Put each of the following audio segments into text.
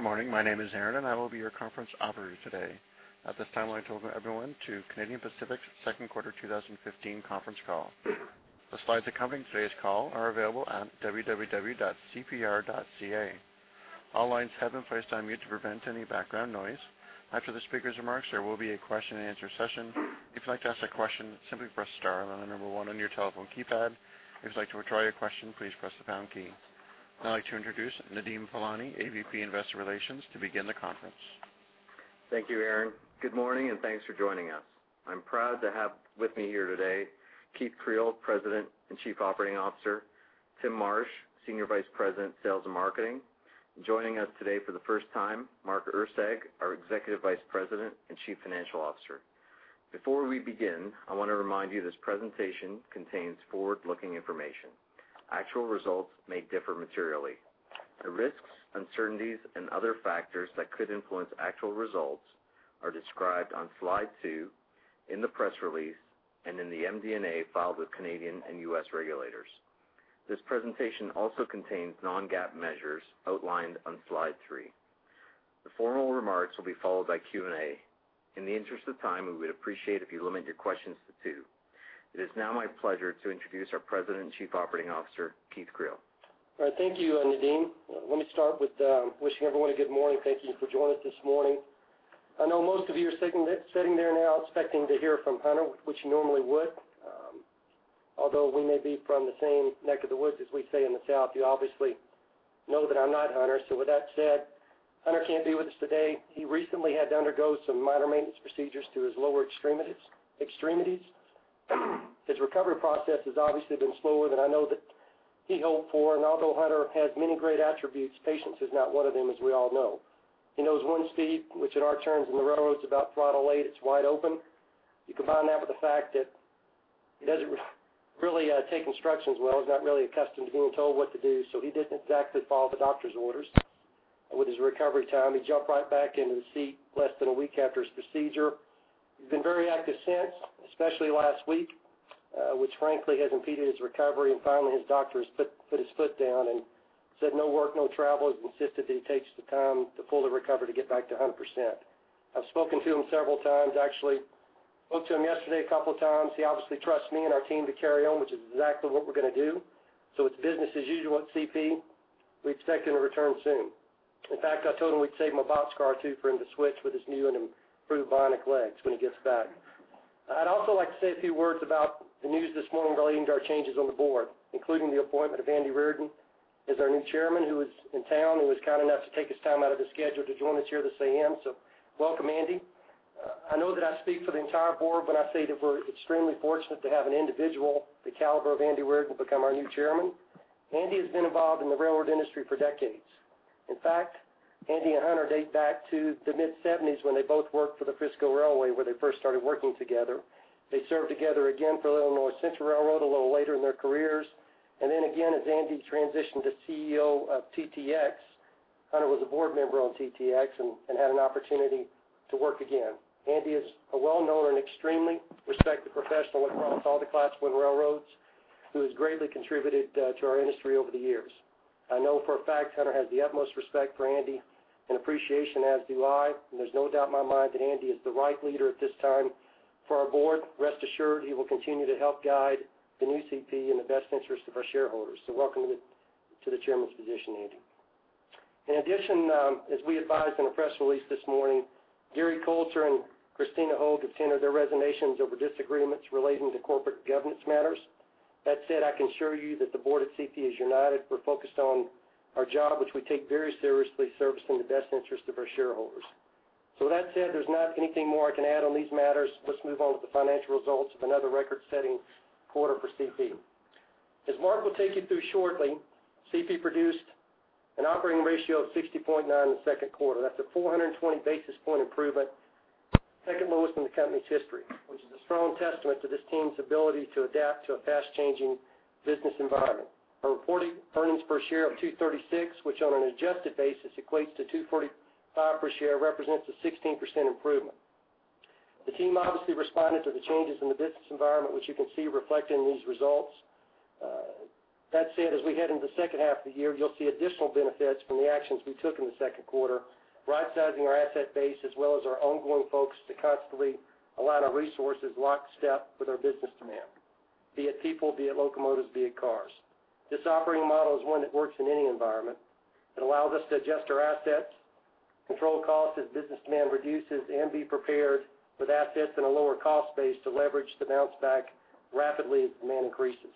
Good morning. My name is Erin and I will be your conference operator today. At this time, I'll be talking to everyone to Canadian Pacific's second quarter 2015 conference call. The slides accompanying today's call are available at www.cpr.ca. All lines have been placed on mute to prevent any background noise. After the speaker's remarks, there will be a question-and-answer session. If you'd like to ask a question, simply press star on the number one on your telephone keypad. If you'd like to withdraw your question, please press the pound key. Now I'd like to introduce Nadeem Velani, AVP Investor Relations, to begin the conference. Thank you, Erin. Good morning and thanks for joining us. I'm proud to have with me here today Keith Creel, President and Chief Operating Officer, Tim Marsh, Senior Vice President, Sales and Marketing, and joining us today for the first time, Mark Erceg, our Executive Vice President and Chief Financial Officer. Before we begin, I want to remind you this presentation contains forward-looking information. Actual results may differ materially. The risks, uncertainties, and other factors that could influence actual results are described on slide two, in the press release, and in the MD&A filed with Canadian and U.S. regulators. This presentation also contains non-GAAP measures outlined on slide three. The formal remarks will be followed by Q&A. In the interest of time, we would appreciate if you limit your questions to two. It is now my pleasure to introduce our President and Chief Operating Officer, Keith Creel. All right. Thank you, Nadeem. Let me start with wishing everyone a good morning. Thank you for joining us this morning. I know most of you are sitting there now expecting to hear from Hunter, which you normally would. Although we may be from the same neck of the woods as we say in the South, you obviously know that I'm not Hunter. So with that said, Hunter can't be with us today. He recently had to undergo some minor maintenance procedures to his lower extremities. His recovery process has obviously been slower than I know that he hoped for. And although Hunter has many great attributes, patience is not one of them, as we all know. He knows one speed, which in our terms in the railroad's about throttle eight, it's wide open. You combine that with the fact that he doesn't really take instructions well. He's not really accustomed to being told what to do. So he didn't exactly follow the doctor's orders. With his recovery time, he jumped right back into the seat less than a week after his procedure. He's been very active since, especially last week, which frankly has impeded his recovery. And finally, his doctor has put his foot down and said no work, no travel. He's insisted that he takes the time to fully recover to get back to 100%. I've spoken to him several times. Actually, spoke to him yesterday a couple of times. He obviously trusts me and our team to carry on, which is exactly what we're going to do. So it's business as usual at CP. We expect him to return soon. In fact, I told him we'd save him a boxcar too for him to switch with his new and improved bionic legs when he gets back. I'd also like to say a few words about the news this morning relating to our changes on the board, including the appointment of Andy Reardon as our new chairman, who is in town. He was kind enough to take his time out of his schedule to join us here this A.M. So welcome, Andy. I know that I speak for the entire board when I say that we're extremely fortunate to have an individual the caliber of Andy Reardon become our new chairman. Andy has been involved in the railroad industry for decades. In fact, Andy and Hunter date back to the mid-1970s when they both worked for the Frisco Railway, where they first started working together. They served together again for Illinois Central Railroad a little later in their careers. And then again, as Andy transitioned to CEO of TTX, Hunter was a board member on TTX and had an opportunity to work again. Andy is a well-known and extremely respected professional across all the Class I railroads, who has greatly contributed to our industry over the years. I know for a fact Hunter has the utmost respect for Andy and appreciation, as do I. And there's no doubt in my mind that Andy is the right leader at this time for our board. Rest assured, he will continue to help guide the new CP in the best interest of our shareholders. So welcome to the chairman's position, Andy. In addition, as we advised in a press release this morning, Gary Colter and Krystyna Hoeg have tendered their resignations over disagreements relating to corporate governance matters. That said, I can assure you that the board at CP is united. We're focused on our job, which we take very seriously, servicing the best interest of our shareholders. So with that said, there's not anything more I can add on these matters. Let's move on to the financial results of another record-setting quarter for CP. As Mark will take you through shortly, CP produced an operating ratio of 60.9% in the second quarter. That's a 420 basis point improvement, second lowest in the company's history, which is a strong testament to this team's ability to adapt to a fast-changing business environment. Our reported earnings per share of $2.36, which on an adjusted basis equates to $2.45 per share, represents a 16% improvement. The team obviously responded to the changes in the business environment, which you can see reflected in these results. That said, as we head into the second half of the year, you'll see additional benefits from the actions we took in the second quarter, right-sizing our asset base as well as our ongoing focus to constantly align our resources lockstep with our business demand, be it people, be it locomotives, be it cars. This operating model is one that works in any environment. It allows us to adjust our assets, control costs as business demand reduces, and be prepared with assets in a lower cost base to leverage the bounce back rapidly as demand increases.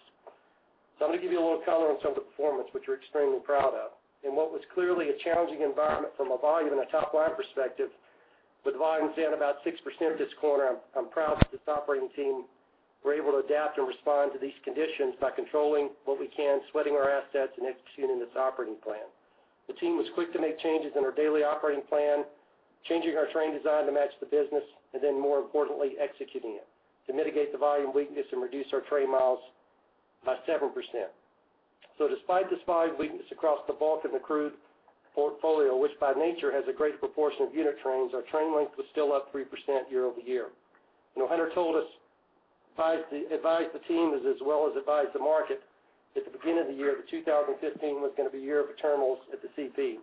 So I'm going to give you a little color on some of the performance, which we're extremely proud of. In what was clearly a challenging environment from a volume and a top-line perspective, with volumes down about 6% this quarter, I'm proud that this operating team were able to adapt and respond to these conditions by controlling what we can, sweating our assets, and executing this operating plan. The team was quick to make changes in our daily operating plan, changing our train design to match the business, and then more importantly, executing it to mitigate the volume weakness and reduce our train miles by 7%. So despite this volume weakness across the bulk of the crude portfolio, which by nature has a greater proportion of unit trains, our train length was still up 3% year-over-year. You know, Hunter told us, advised the team as well as advised the market, at the beginning of the year, that 2015 was going to be a year of terminals at the CP.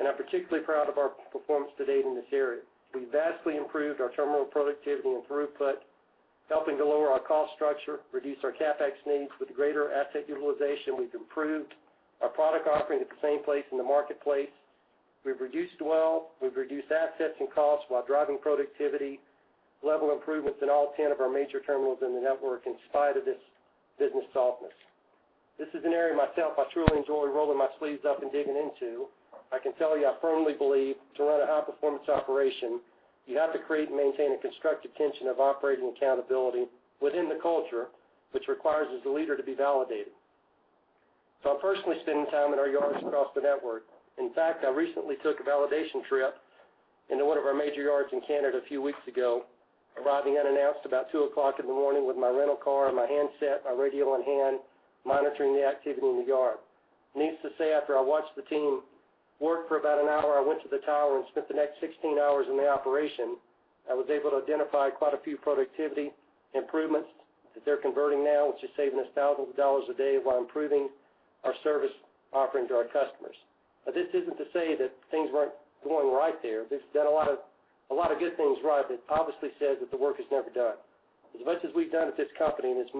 I'm particularly proud of our performance to date in this area. We've vastly improved our terminal productivity and throughput, helping to lower our cost structure, reduce our CapEx needs. With greater asset utilization, we've improved our product offering at the same place in the marketplace. We've reduced dwell. We've reduced assets and costs while driving productivity level improvements in all 10 of our major terminals in the network in spite of this business softness. This is an area myself I truly enjoy rolling my sleeves up and digging into. I can tell you I firmly believe to run a high-performance operation, you have to create and maintain a constructive tension of operating accountability within the culture, which requires as a leader to be validated. So I'm personally spending time in our yards across the network. In fact, I recently took a validation trip into one of our major yards in Canada a few weeks ago, arriving unannounced about 2:00 A.M. with my rental car and my handset, my radio in hand, monitoring the activity in the yard. Needless to say, after I watched the team work for about an hour, I went to the tower and spent the next 16 hours in the operation. I was able to identify quite a few productivity improvements that they're converting now, which is saving us thousands of dollars a day while improving our service offering to our customers. Now, this isn't to say that things weren't going right there. They've done a lot of good things right. It obviously says that the work is never done. As much as we've done at this company and as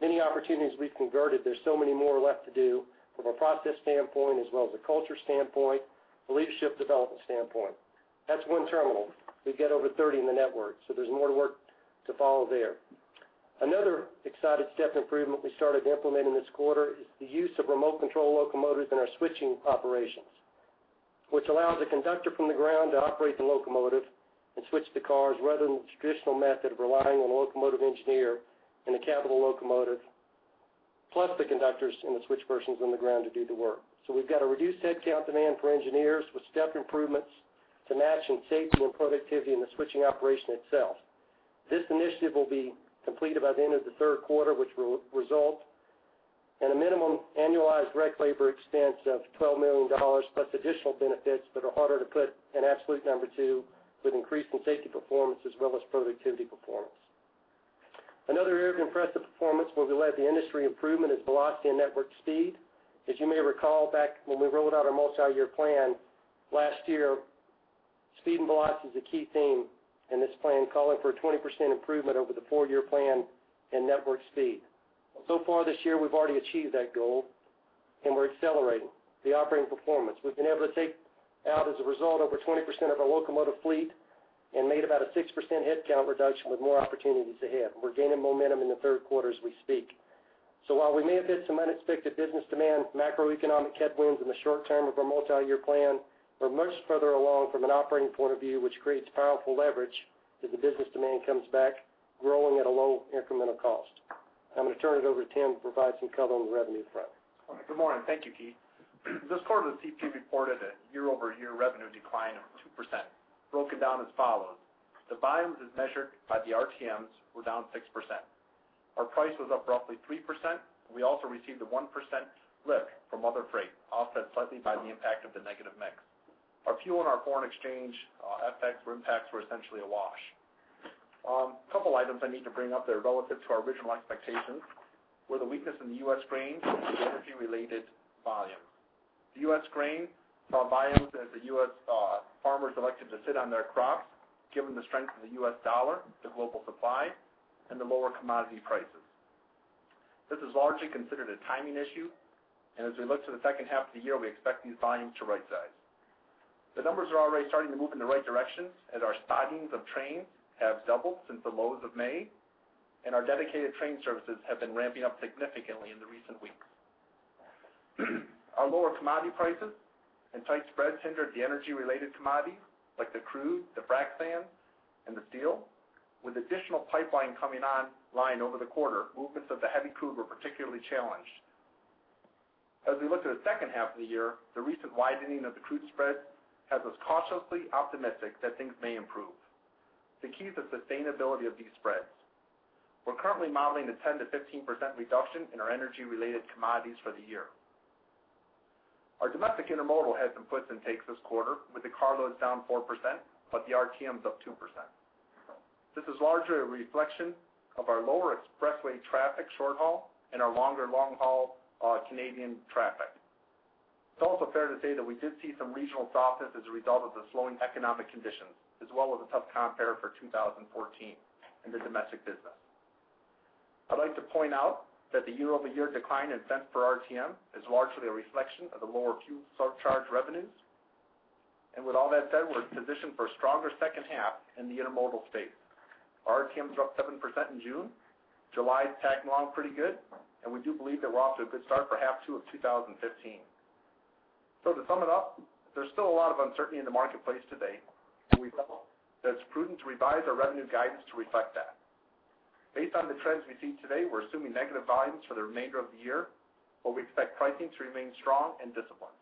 many opportunities we've converted, there's so many more left to do from a process standpoint as well as a culture standpoint, a leadership development standpoint. That's one terminal. We've got over 30 in the network. So there's more work to follow there. Another exciting step improvement we started implementing this quarter is the use of remote control locomotives in our switching operations, which allows a conductor from the ground to operate the locomotive and switch the cars rather than the traditional method of relying on a locomotive engineer in the cab of the locomotive, plus the conductors in the switching positions on the ground to do the work. So we've got a reduced headcount demand for engineers with step improvements to match in safety and productivity in the switching operation itself. This initiative will be completed by the end of the third quarter, which will result in a minimum annualized direct labor expense of $12 million, plus additional benefits that are harder to put an absolute number to with increase in safety performance as well as productivity performance. Another area of impressive performance where we led the industry improvement is velocity and network speed. As you may recall, back when we rolled out our multi-year plan last year, speed and velocity is a key theme in this plan, calling for a 20% improvement over the four-year plan in network speed. So far this year, we've already achieved that goal and we're accelerating the operating performance. We've been able to take out, as a result, over 20% of our locomotive fleet and made about a 6% headcount reduction with more opportunities ahead. We're gaining momentum in the third quarter as we speak. So while we may have hit some unexpected business demand, macroeconomic headwinds in the short term of our multi-year plan, we're much further along from an operating point of view, which creates powerful leverage as the business demand comes back growing at a low incremental cost. I'm going to turn it over to Tim to provide some color on the revenue front. All right. Good morning. Thank you, Keith. This quarter, the CP reported a year-over-year revenue decline of 2%, broken down as follows. The volumes as measured by the RTMs were down 6%. Our price was up roughly 3%. We also received a 1% lift from other freight, offset slightly by the impact of the negative mix. Our fuel and our foreign exchange effects or impacts were essentially a wash. A couple of items I need to bring up that are relative to our original expectations were the weakness in the U.S. grains and the energy-related volumes. The U.S. grain saw volumes as the U.S. farmers elected to sit on their crops given the strength of the U.S. dollar, the global supply, and the lower commodity prices. This is largely considered a timing issue. And as we look to the second half of the year, we expect these volumes to right-size. The numbers are already starting to move in the right direction as our stockings of trains have doubled since the lows of May. Our dedicated train services have been ramping up significantly in the recent weeks. Our lower commodity prices and tight spreads hindered the energy-related commodities like the crude, the frac sand, and the steel. With additional pipeline coming online over the quarter, movements of the heavy crude were particularly challenged. As we look to the second half of the year, the recent widening of the crude spreads has us cautiously optimistic that things may improve. The key is the sustainability of these spreads. We're currently modeling a 10%-15% reduction in our energy-related commodities for the year. Our domestic intermodal had some puts and takes this quarter, with the car loads down 4% but the RTMs up 2%. This is largely a reflection of our lower Expressway traffic short-haul and our longer long-haul Canadian traffic. It's also fair to say that we did see some regional softness as a result of the slowing economic conditions, as well as a tough compare for 2014 in the domestic business. I'd like to point out that the year-over-year decline in cents per RTM is largely a reflection of the lower fuel surcharge revenues. And with all that said, we're positioned for a stronger second half in the intermodal space. Our RTMs were up 7% in June. July's tracked along pretty good. And we do believe that we're off to a good start for half two of 2015. So to sum it up, there's still a lot of uncertainty in the marketplace today. And we felt that it's prudent to revise our revenue guidance to reflect that. Based on the trends we see today, we're assuming negative volumes for the remainder of the year, but we expect pricing to remain strong and disciplined.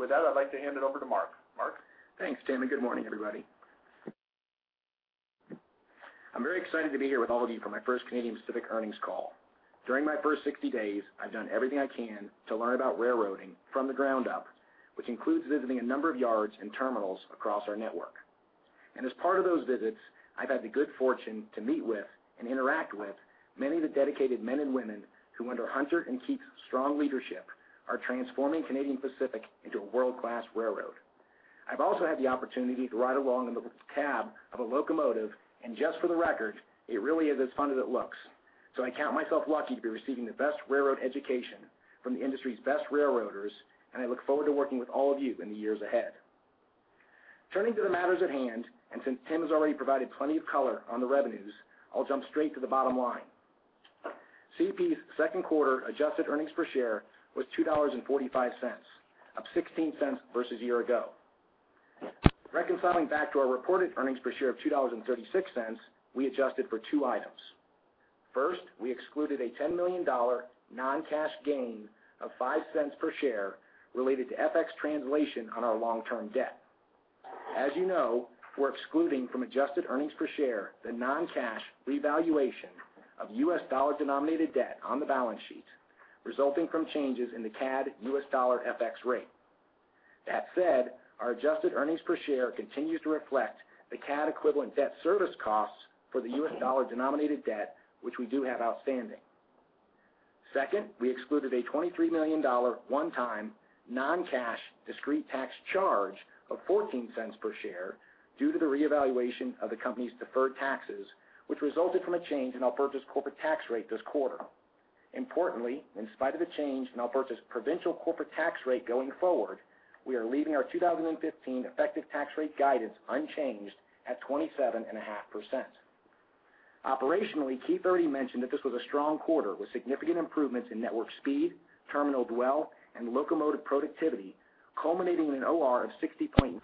With that, I'd like to hand it over to Mark. Mark? Thanks, Tim. Good morning, everybody. I'm very excited to be here with all of you for my first Canadian Pacific earnings call. During my first 60 days, I've done everything I can to learn about railroading from the ground up, which includes visiting a number of yards and terminals across our network. As part of those visits, I've had the good fortune to meet with and interact with many of the dedicated men and women who, under Hunter and Keith's strong leadership, are transforming Canadian Pacific into a world-class railroad. I've also had the opportunity to ride along in the cab of a locomotive. Just for the record, it really is as fun as it looks. I count myself lucky to be receiving the best railroad education from the industry's best railroaders. I look forward to working with all of you in the years ahead. Turning to the matters at hand, and since Tim has already provided plenty of color on the revenues, I'll jump straight to the bottom line. CP's second quarter adjusted earnings per share was $2.45, up $0.16 versus a year ago. Reconciling back to our reported earnings per share of $2.36, we adjusted for two items. First, we excluded a $10 million non-cash gain of $0.05 per share related to FX translation on our long-term debt. As you know, we're excluding from adjusted earnings per share the non-cash revaluation of U.S. dollar-denominated debt on the balance sheet, resulting from changes in the CAD U.S. dollar FX rate. That said, our adjusted earnings per share continues to reflect the CAD equivalent debt service costs for the U.S. dollar-denominated debt, which we do have outstanding. Second, we excluded a $23 million one-time non-cash discrete tax charge of $0.14 per share due to the reevaluation of the company's deferred taxes, which resulted from a change in our provincial corporate tax rate this quarter. Importantly, in spite of the change in our provincial provincial corporate tax rate going forward, we are leaving our 2015 effective tax rate guidance unchanged at 27.5%. Operationally, Keith already mentioned that this was a strong quarter with significant improvements in network speed, terminal dwell, and locomotive productivity, culminating in an OR of 60.9%,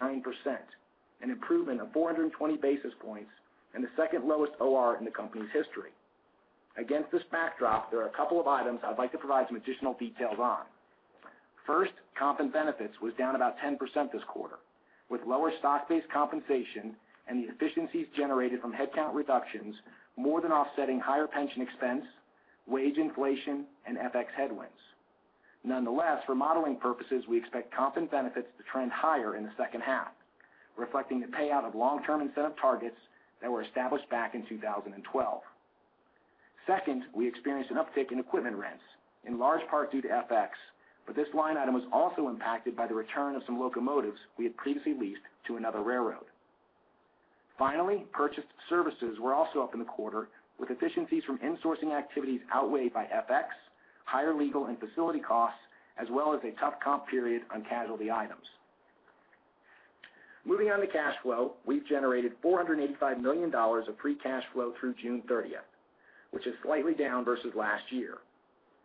an improvement of 420 basis points, and the second lowest OR in the company's history. Against this backdrop, there are a couple of items I'd like to provide some additional details on. First, comp and benefits was down about 10% this quarter, with lower stock-based compensation and the efficiencies generated from headcount reductions more than offsetting higher pension expense, wage inflation, and FX headwinds. Nonetheless, for modeling purposes, we expect comp and benefits to trend higher in the second half, reflecting the payout of long-term incentive targets that were established back in 2012. Second, we experienced an uptick in equipment rents, in large part due to FX. But this line item was also impacted by the return of some locomotives we had previously leased to another railroad. Finally, purchased services were also up in the quarter, with efficiencies from insourcing activities outweighed by FX, higher legal and facility costs, as well as a tough comp period on casualty items. Moving on to cash flow, we've generated 485 million dollars of free cash flow through June 30th, which is slightly down versus last year.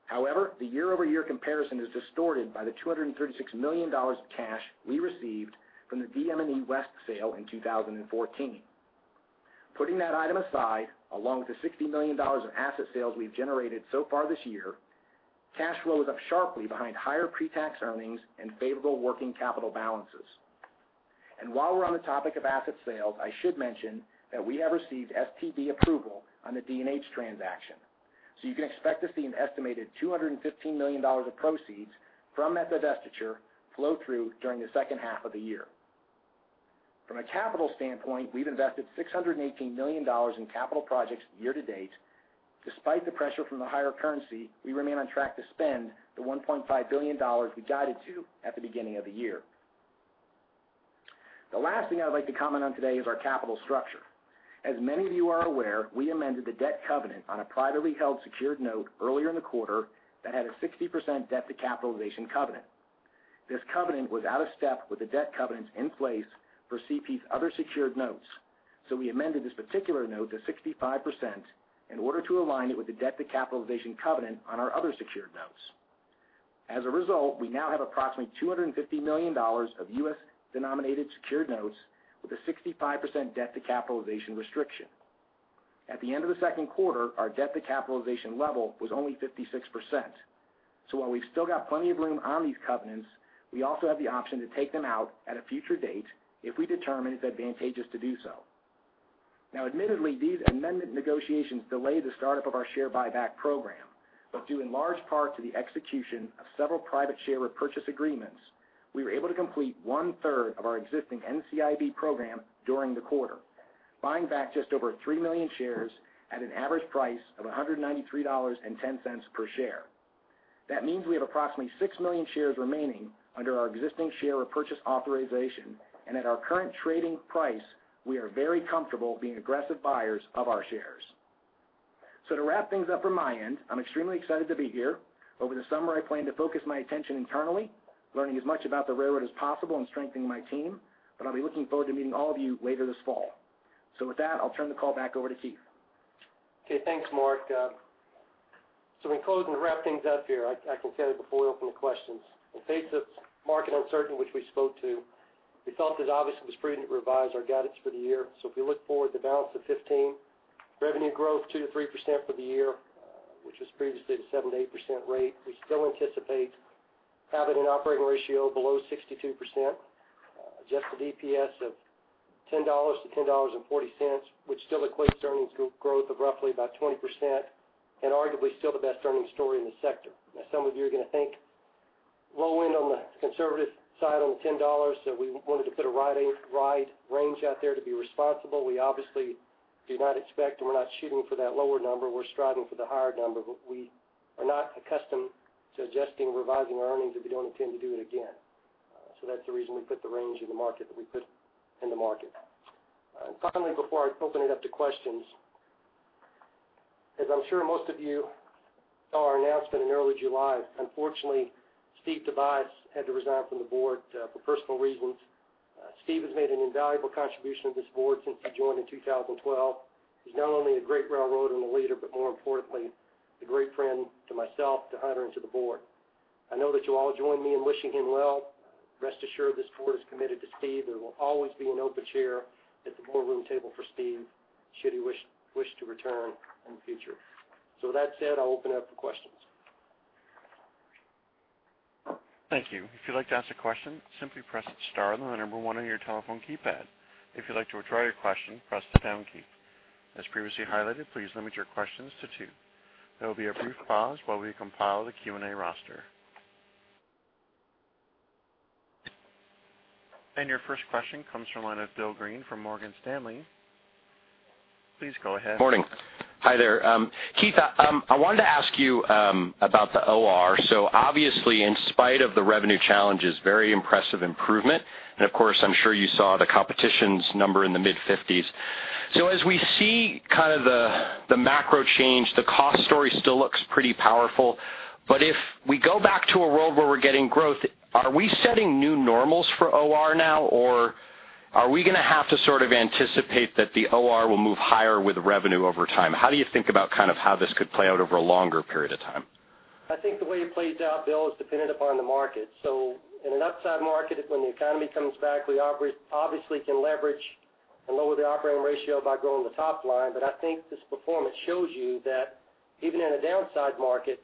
However, the year-over-year comparison is distorted by the 236 million dollars of cash we received from the DM&E West sale in 2014. Putting that item aside, along with the 60 million dollars of asset sales we've generated so far this year, cash flow is up sharply behind higher pre-tax earnings and favorable working capital balances. And while we're on the topic of asset sales, I should mention that we have received STB approval on the D&H transaction. So you can expect to see an estimated 215 million dollars of proceeds from method divestiture flow through during the second half of the year. From a capital standpoint, we've invested 618 million dollars in capital projects year to date. Despite the pressure from the higher currency, we remain on track to spend the 1.5 billion dollars we guided to at the beginning of the year. The last thing I'd like to comment on today is our capital structure. As many of you are aware, we amended the debt covenant on a privately held secured note earlier in the quarter that had a 60% debt to capitalization covenant. This covenant was out of step with the debt covenants in place for CP's other secured notes. So we amended this particular note to 65% in order to align it with the debt to capitalization covenant on our other secured notes. As a result, we now have approximately $250 million of U.S. denominated secured notes with a 65% debt to capitalization restriction. At the end of the second quarter, our debt to capitalization level was only 56%. So while we've still got plenty of room on these covenants, we also have the option to take them out at a future date if we determine it's advantageous to do so. Now, admittedly, these amendment negotiations delayed the startup of our share buyback program. But due in large part to the execution of several private share repurchase agreements, we were able to complete one-third of our existing NCIB program during the quarter, buying back just over 3 million shares at an average price of $193.10 per share. That means we have approximately 6 million shares remaining under our existing share repurchase authorization. And at our current trading price, we are very comfortable being aggressive buyers of our shares. So to wrap things up from my end, I'm extremely excited to be here. Over the summer, I plan to focus my attention internally, learning as much about the railroad as possible and strengthening my team. I'll be looking forward to meeting all of you later this fall. With that, I'll turn the call back over to Keith. Okay. Thanks, Mark. So we can close and wrap things up here. I can say that before we open to questions. In the face of market uncertainty, which we spoke to, we felt it obviously was prudent to revise our guidance for the year. So if we look forward, the balance of 2015, revenue growth 2%-3% for the year, which was previously the 7%-8% rate. We still anticipate having an operating ratio below 62%, just an EPS of $10-$10.40, which still equates to earnings growth of roughly about 20% and arguably still the best earnings story in the sector. Now, some of you are going to think low end on the conservative side on the $10. So we wanted to put a wide range out there to be responsible. We obviously do not expect and we're not shooting for that lower number. We're striving for the higher number. We are not accustomed to adjusting or revising our earnings if we don't intend to do it again. That's the reason we put the range in the market that we put in the market. Finally, before I open it up to questions, as I'm sure most of you saw our announcement in early July, unfortunately, Steve Tobias had to resign from the board for personal reasons. Steve has made an invaluable contribution to this board since he joined in 2012. He's not only a great railroader and a leader, but more importantly, a great friend to myself, to Hunter, and to the board. I know that you all join me in wishing him well. Rest assured, this board is committed to Steve. There will always be an open chair at the boardroom table for Steve should he wish to return in the future. With that said, I'll open it up for questions. Thank you. If you'd like to ask a question, simply press star on the number one on your telephone keypad. If you'd like to withdraw your question, press the pound key. As previously highlighted, please limit your questions to two. There will be a brief pause while we compile the Q&A roster. And your first question comes from line of Bill Greene from Morgan Stanley. Please go ahead. Morning. Hi there. Keith, I wanted to ask you about the OR. So obviously, in spite of the revenue challenges, very impressive improvement. And of course, I'm sure you saw the competition's number in the mid-50s%. So as we see kind of the macro change, the cost story still looks pretty powerful. But if we go back to a world where we're getting growth, are we setting new normals for OR now? Or are we going to have to sort of anticipate that the OR will move higher with revenue over time? How do you think about kind of how this could play out over a longer period of time? I think the way it plays out, Bill, is dependent upon the market. So in an upside market, when the economy comes back, we obviously can leverage and lower the operating ratio by growing the top line. But I think this performance shows you that even in a downside market,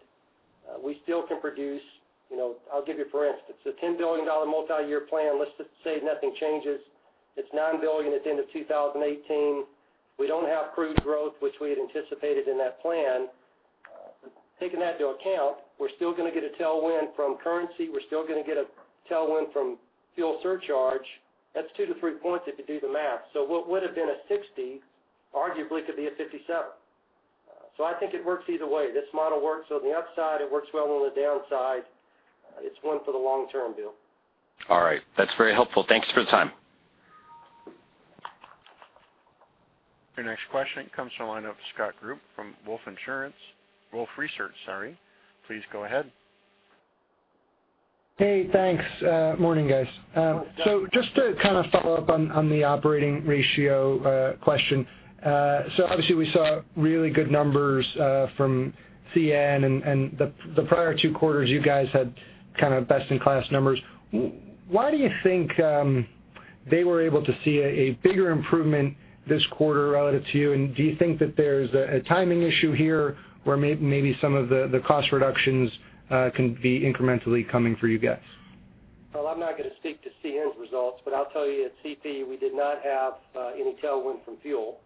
we still can produce. I'll give you, for instance, a $10 billion multi-year plan. Let's just say nothing changes. It's $9 billion at the end of 2018. We don't have crude growth, which we had anticipated in that plan. Taking that to account, we're still going to get a tailwind from currency. We're still going to get a tailwind from fuel surcharge. That's 2-3 points if you do the math. So what would have been a 60 arguably could be a 57. So I think it works either way. This model works on the upside. It works well on the downside. It's one for the long term, Bill. All right. That's very helpful. Thanks for the time. Your next question comes from the line of Scott Group from Wolfe Research, sorry. Please go ahead. Hey. Thanks. Morning, guys. So just to kind of follow up on the operating ratio question. So obviously, we saw really good numbers from CN. And the prior two quarters, you guys had kind of best-in-class numbers. Why do you think they were able to see a bigger improvement this quarter relative to you? And do you think that there's a timing issue here where maybe some of the cost reductions can be incrementally coming for you guys? Well, I'm not going to speak to CN's results. I'll tell you at CP, we did not have any tailwind from fuel.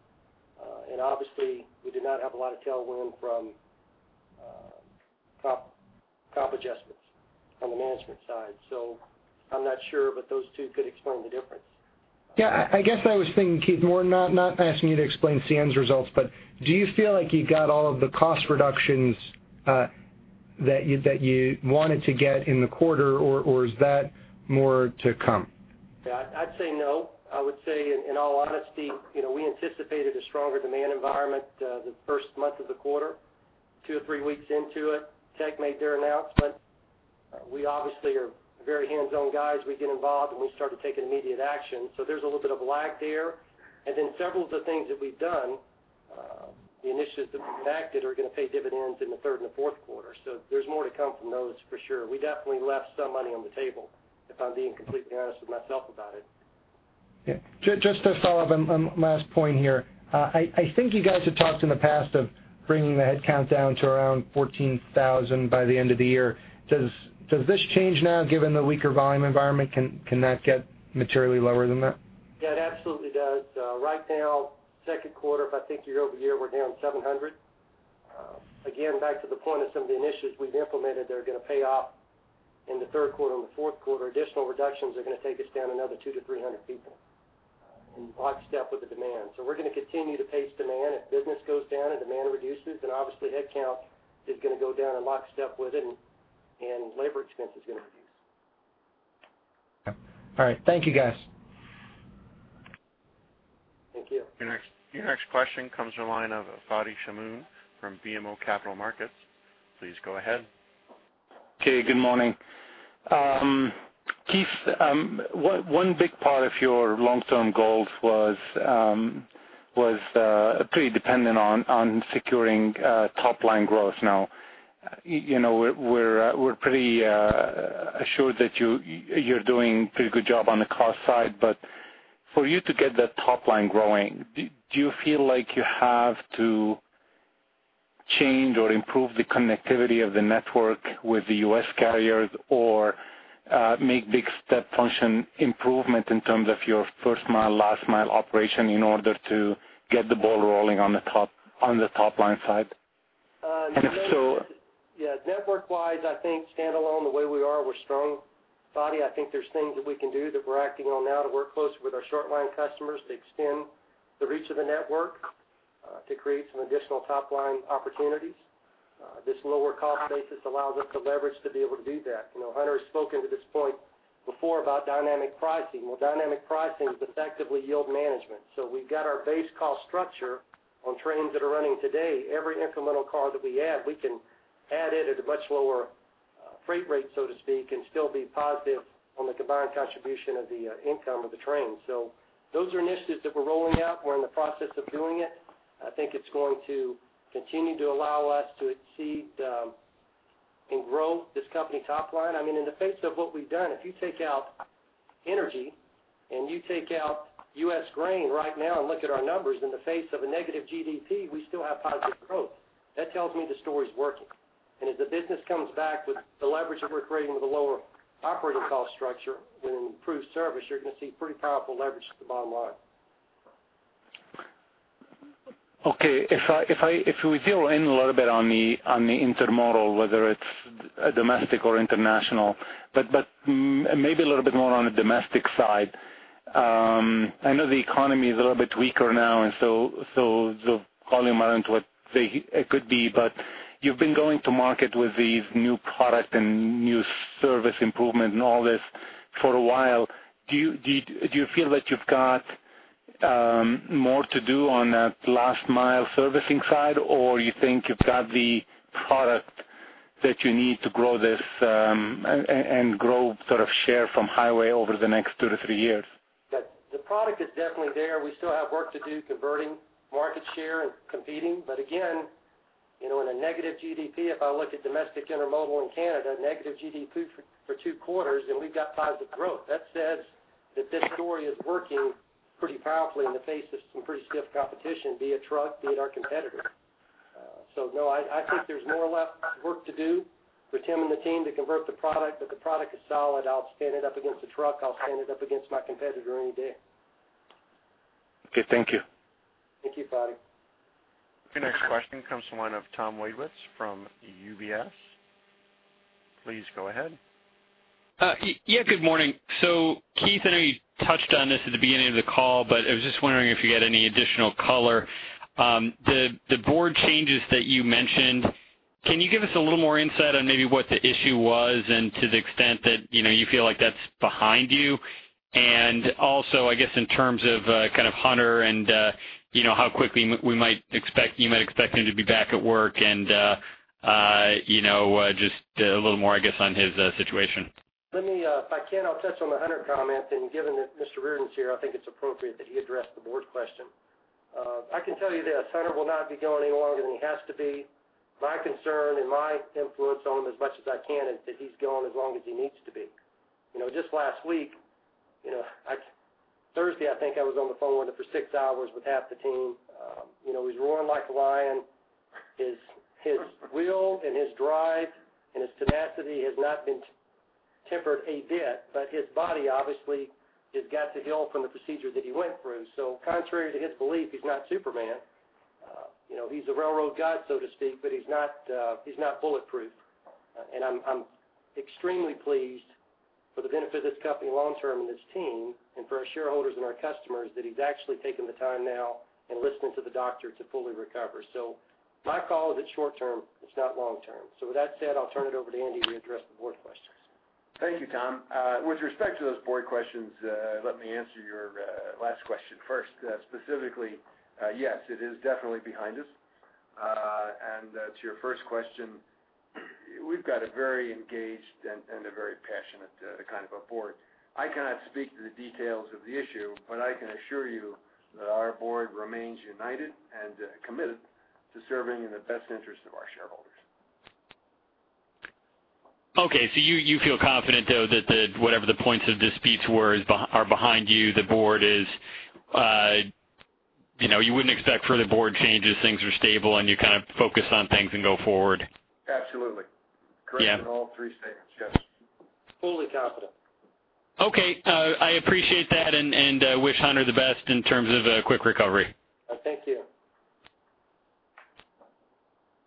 Obviously, we did not have a lot of tailwind from comp adjustments on the management side. I'm not sure. Those two could explain the difference. Yeah. I guess I was thinking, Keith, more, not asking you to explain CN's results. But do you feel like you got all of the cost reductions that you wanted to get in the quarter? Or is that more to come? Yeah. I'd say no. I would say, in all honesty, we anticipated a stronger demand environment the first month of the quarter, two or three weeks into it. Teck made their announcement. We obviously are very hands-on guys. We get involved. And we started taking immediate action. So there's a little bit of lag there. And then several of the things that we've done, the initiatives that we've enacted, are going to pay dividends in the third and the fourth quarter. So there's more to come from those for sure. We definitely left some money on the table, if I'm being completely honest with myself about it. Yeah. Just to follow up on my last point here, I think you guys had talked in the past of bringing the headcount down to around 14,000 by the end of the year. Does this change now given the weaker volume environment? Can that get materially lower than that? Yeah. It absolutely does. Right now, second quarter, if I think year-over-year, we're down 700. Again, back to the point of some of the initiatives we've implemented that are going to pay off in the third quarter and the fourth quarter, additional reductions are going to take us down another 200-300 people in lockstep with the demand. So we're going to continue to pace demand. If business goes down and demand reduces, then obviously, headcount is going to go down in lockstep with it. And labor expense is going to reduce. Okay. All right. Thank you, guys. Thank you. Your next question comes from line of Fadi Chamoun from BMO Capital Markets. Please go ahead. Okay. Good morning. Keith, one big part of your long-term goals was pretty dependent on securing top-line growth. Now, we're pretty assured that you're doing a pretty good job on the cost side. But for you to get that top-line growing, do you feel like you have to change or improve the connectivity of the network with the US carriers or make big step function improvement in terms of your first-mile, last-mile operation in order to get the ball rolling on the top-line side? Yeah. Network-wise, I think stand-alone, the way we are, we're strong. Fadi, I think there's things that we can do that we're acting on now to work closer with our short-line customers to extend the reach of the network to create some additional top-line opportunities. This lower cost basis allows us to leverage to be able to do that. Hunter has spoken to this point before about dynamic pricing. Well, dynamic pricing is effectively yield management. So we've got our base cost structure on trains that are running today. Every incremental car that we add, we can add it at a much lower freight rate, so to speak, and still be positive on the combined contribution of the income of the train. So those are initiatives that we're rolling out. We're in the process of doing it. I think it's going to continue to allow us to exceed and grow this company top line. I mean, in the face of what we've done, if you take out energy and you take out U.S. grain right now and look at our numbers, in the face of a negative GDP, we still have positive growth. That tells me the story's working. And as the business comes back with the leverage that we're creating with a lower operating cost structure with an improved service, you're going to see pretty powerful leverage at the bottom line. Okay. If we zero in a little bit on the intermodal, whether it's domestic or international, but maybe a little bit more on the domestic side, I know the economy is a little bit weaker now. And so the volume around what it could be. But you've been going to market with these new product and new service improvements and all this for a while. Do you feel that you've got more to do on that last-mile servicing side? Or you think you've got the product that you need to grow this and grow sort of share from highway over the next 2-3 years? Yeah. The product is definitely there. We still have work to do converting market share and competing. But again, in a negative GDP, if I look at domestic intermodal in Canada, negative GDP for two quarters, then we've got positive growth. That says that this story is working pretty powerfully in the face of some pretty stiff competition, be it truck, be it our competitor. So no, I think there's more left work to do for Tim and the team to convert the product. But the product is solid. I'll stand it up against the truck. I'll stand it up against my competitor any day. Okay. Thank you. Thank you, Fadi. Your next question comes from line of Tom Wadewitz from UBS. Please go ahead. Yeah. Good morning. So Keith and I touched on this at the beginning of the call. But I was just wondering if you got any additional color? The board changes that you mentioned, can you give us a little more insight on maybe what the issue was and to the extent that you feel like that's behind you? And also, I guess, in terms of kind of Hunter and how quickly you might expect him to be back at work and just a little more, I guess, on his situation? Let me, if I can, I'll touch on the Hunter comment. Given that Mr. Reardon's here, I think it's appropriate that he address the board question. I can tell you this. Hunter will not be going any longer than he has to be. My concern and my influence on him as much as I can is that he's going as long as he needs to be. Just last week, Thursday, I think I was on the phone with him for six hours with half the team. He's roaring like a lion. His will and his drive and his tenacity has not been tempered a bit. But his body, obviously, has got to heal from the procedure that he went through. So contrary to his belief, he's not Superman. He's a railroad god, so to speak. But he's not bulletproof. And I'm extremely pleased for the benefit of this company long-term and this team and for our shareholders and our customers that he's actually taken the time now and listened to the doctor to fully recover. So my call is that short-term. It's not long-term. So with that said, I'll turn it over to Andy to address the board questions. Thank you, Tom. With respect to those board questions, let me answer your last question first. Specifically, yes, it is definitely behind us. And to your first question, we've got a very engaged and a very passionate kind of a board. I cannot speak to the details of the issue. But I can assure you that our board remains united and committed to serving in the best interest of our shareholders. Okay. So you feel confident, though, that whatever the points of disputes are behind you, the board is you wouldn't expect further board changes. Things are stable. And you kind of focus on things and go forward? Absolutely. Correct in all three statements. Yes. Fully confident. Okay. I appreciate that. And wish Hunter the best in terms of a quick recovery. Thank you.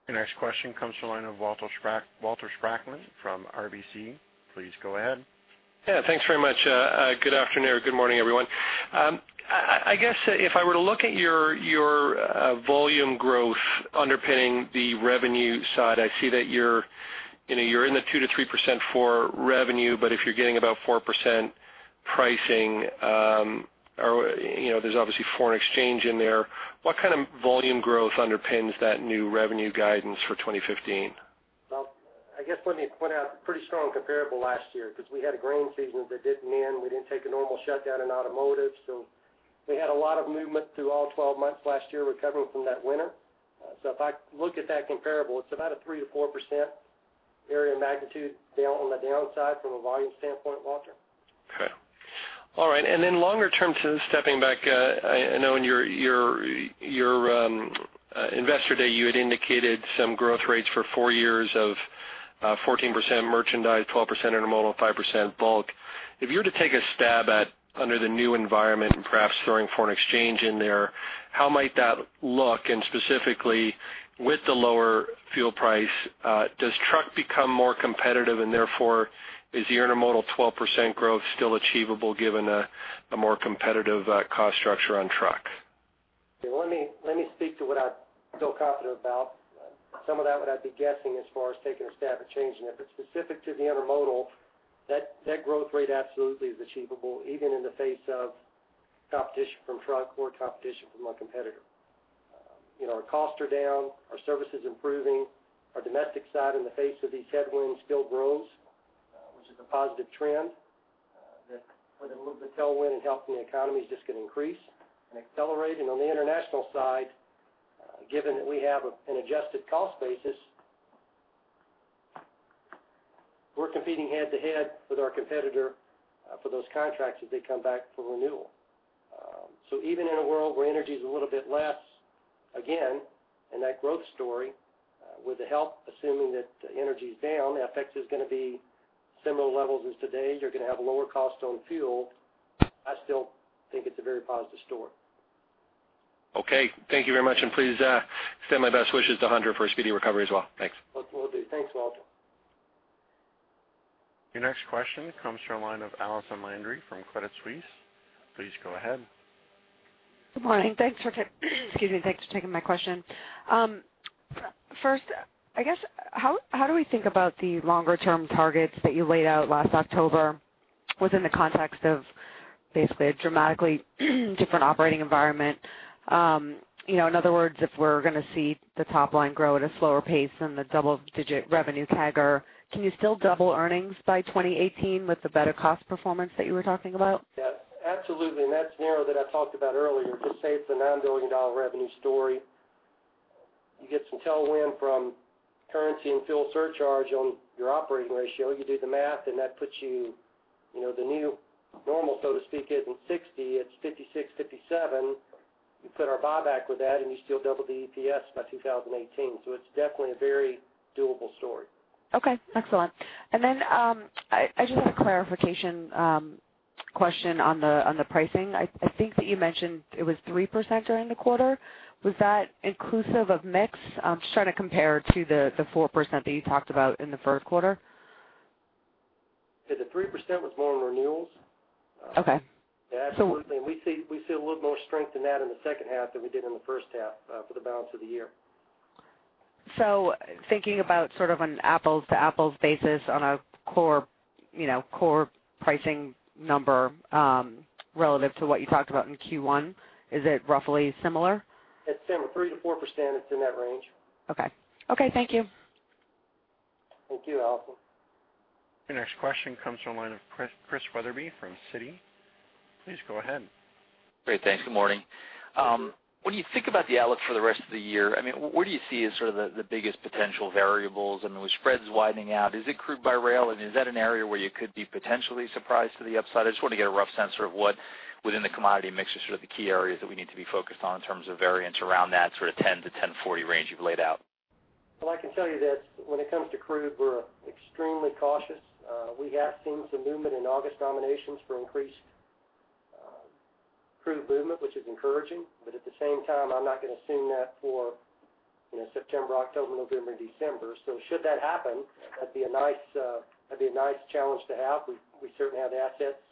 Your next question comes from line of Walter Spracklin from RBC. Please go ahead. Yeah. Thanks very much. Good afternoon. Good morning, everyone. I guess if I were to look at your volume growth underpinning the revenue side, I see that you're in the 2%-3% for revenue. But if you're getting about 4% pricing or there's obviously foreign exchange in there, what kind of volume growth underpins that new revenue guidance for 2015? Well, I guess let me point out pretty strong comparable last year because we had a grain season that didn't end. We didn't take a normal shutdown in automotive. So we had a lot of movement through all 12 months last year recovering from that winter. So if I look at that comparable, it's about a 3%-4% area of magnitude on the downside from a volume standpoint, Walter. Okay. All right. And then longer term, stepping back, I know in your investor day, you had indicated some growth rates for four years of 14% merchandise, 12% intermodal, 5% bulk. If you were to take a stab at under the new environment and perhaps throwing foreign exchange in there, how might that look? And specifically, with the lower fuel price, does truck become more competitive? And therefore, is the intermodal 12% growth still achievable given a more competitive cost structure on truck? Okay. Well, let me speak to what I feel confident about. Some of that, what I'd be guessing as far as taking a stab at changing. If it's specific to the intermodal, that growth rate absolutely is achievable even in the face of competition from truck or competition from a competitor. Our costs are down. Our service is improving. Our domestic side in the face of these headwinds still grows, which is a positive trend that put a little bit of tailwind and helped in the economy is just going to increase and accelerate. And on the international side, given that we have an adjusted cost basis, we're competing head to head with our competitor for those contracts as they come back for renewal. So even in a world where energy's a little bit less, again, in that growth story, with the help, assuming that energy's down, the effect is going to be similar levels as today. You're going to have a lower cost on fuel. I still think it's a very positive story. Okay. Thank you very much. Please send my best wishes to Hunter for a speedy recovery as well. Thanks. Will do. Thanks, Walter. Your next question comes from the line of Allison Landry from Credit Suisse. Please go ahead. Good morning. Thanks. Excuse me. Thanks for taking my question. First, I guess, how do we think about the longer-term targets that you laid out last October within the context of basically a dramatically different operating environment? In other words, if we're going to see the top line grow at a slower pace than the double-digit revenue CAGR, can you still double earnings by 2018 with the better cost performance that you were talking about? Yeah. Absolutely. And that's narrow that I talked about earlier. Just say it's a $9 billion revenue story. You get some tailwind from currency and fuel surcharge on your operating ratio. You do the math. And that puts you the new normal, so to speak, isn't 60. It's 56, 57. You put our buyback with that. And you still double the EPS by 2018. So it's definitely a very doable story. Okay. Excellent. And then I just have a clarification question on the pricing. I think that you mentioned it was 3% during the quarter. Was that inclusive of mix? I'm just trying to compare to the 4% that you talked about in the first quarter. Yeah. The 3% was more on renewals. Yeah. Absolutely. And we see a little bit more strength in that in the second half than we did in the first half for the balance of the year. Thinking about sort of an apples-to-apples basis on a core pricing number relative to what you talked about in Q1, is it roughly similar? It's 3%-4%. It's in that range. Okay. Okay. Thank you. Thank you, Allison. Your next question comes from the line of Chris Wetherbee from Citi. Please go ahead. Great. Thanks. Good morning. When you think about the outlook for the rest of the year, I mean, what do you see as sort of the biggest potential variables? I mean, with spreads widening out, is it crude by rail? I mean, is that an area where you could be potentially surprised to the upside? I just want to get a rough sense of what within the commodity mix is sort of the key areas that we need to be focused on in terms of variance around that sort of 10-1040 range you've laid out. Well, I can tell you this. When it comes to crude, we're extremely cautious. We have seen some movement in August nominations for increased crude movement, which is encouraging. But at the same time, I'm not going to assume that for September, October, November, and December. So should that happen, that'd be a nice that'd be a nice challenge to have. We certainly have the assets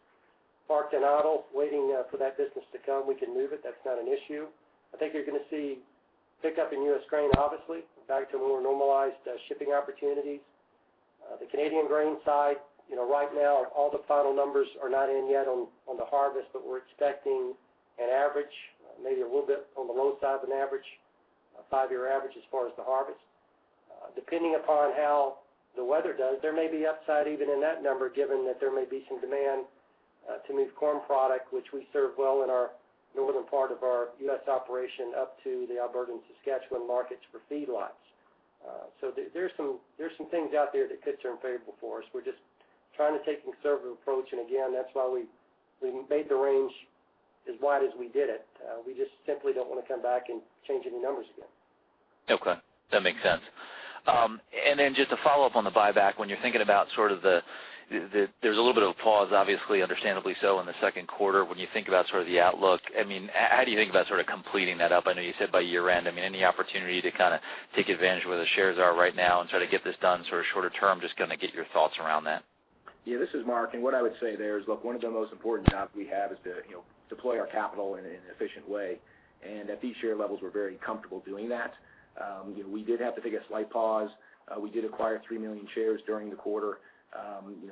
parked and idle waiting for that business to come. We can move it. That's not an issue. I think you're going to see pickup in U.S. grain, obviously, back to more normalized shipping opportunities. The Canadian grain side, right now, all the final numbers are not in yet on the harvest. But we're expecting an average, maybe a little bit on the low side of an average, a 5-year average as far as the harvest. Depending upon how the weather does, there may be upside even in that number given that there may be some demand to move corn product, which we serve well in our northern part of our U.S. operation up to the Alberta and Saskatchewan markets for feedlots. So there's some things out there that could turn favorable for us. We're just trying to take a conservative approach. And again, that's why we made the range as wide as we did it. We just simply don't want to come back and change any numbers again. Okay. That makes sense. And then just a follow-up on the buyback, when you're thinking about sort of, there's a little bit of a pause, obviously, understandably so, in the second quarter when you think about sort of the outlook. I mean, how do you think about sort of completing that up? I know you said by year-end. I mean, any opportunity to kind of take advantage of where the shares are right now and try to get this done sort of shorter term? Just kind of get your thoughts around that. Yeah. This is Mark. What I would say there is, look, one of the most important jobs we have is to deploy our capital in an efficient way. And at these share levels, we're very comfortable doing that. We did have to take a slight pause. We did acquire 3 million shares during the quarter.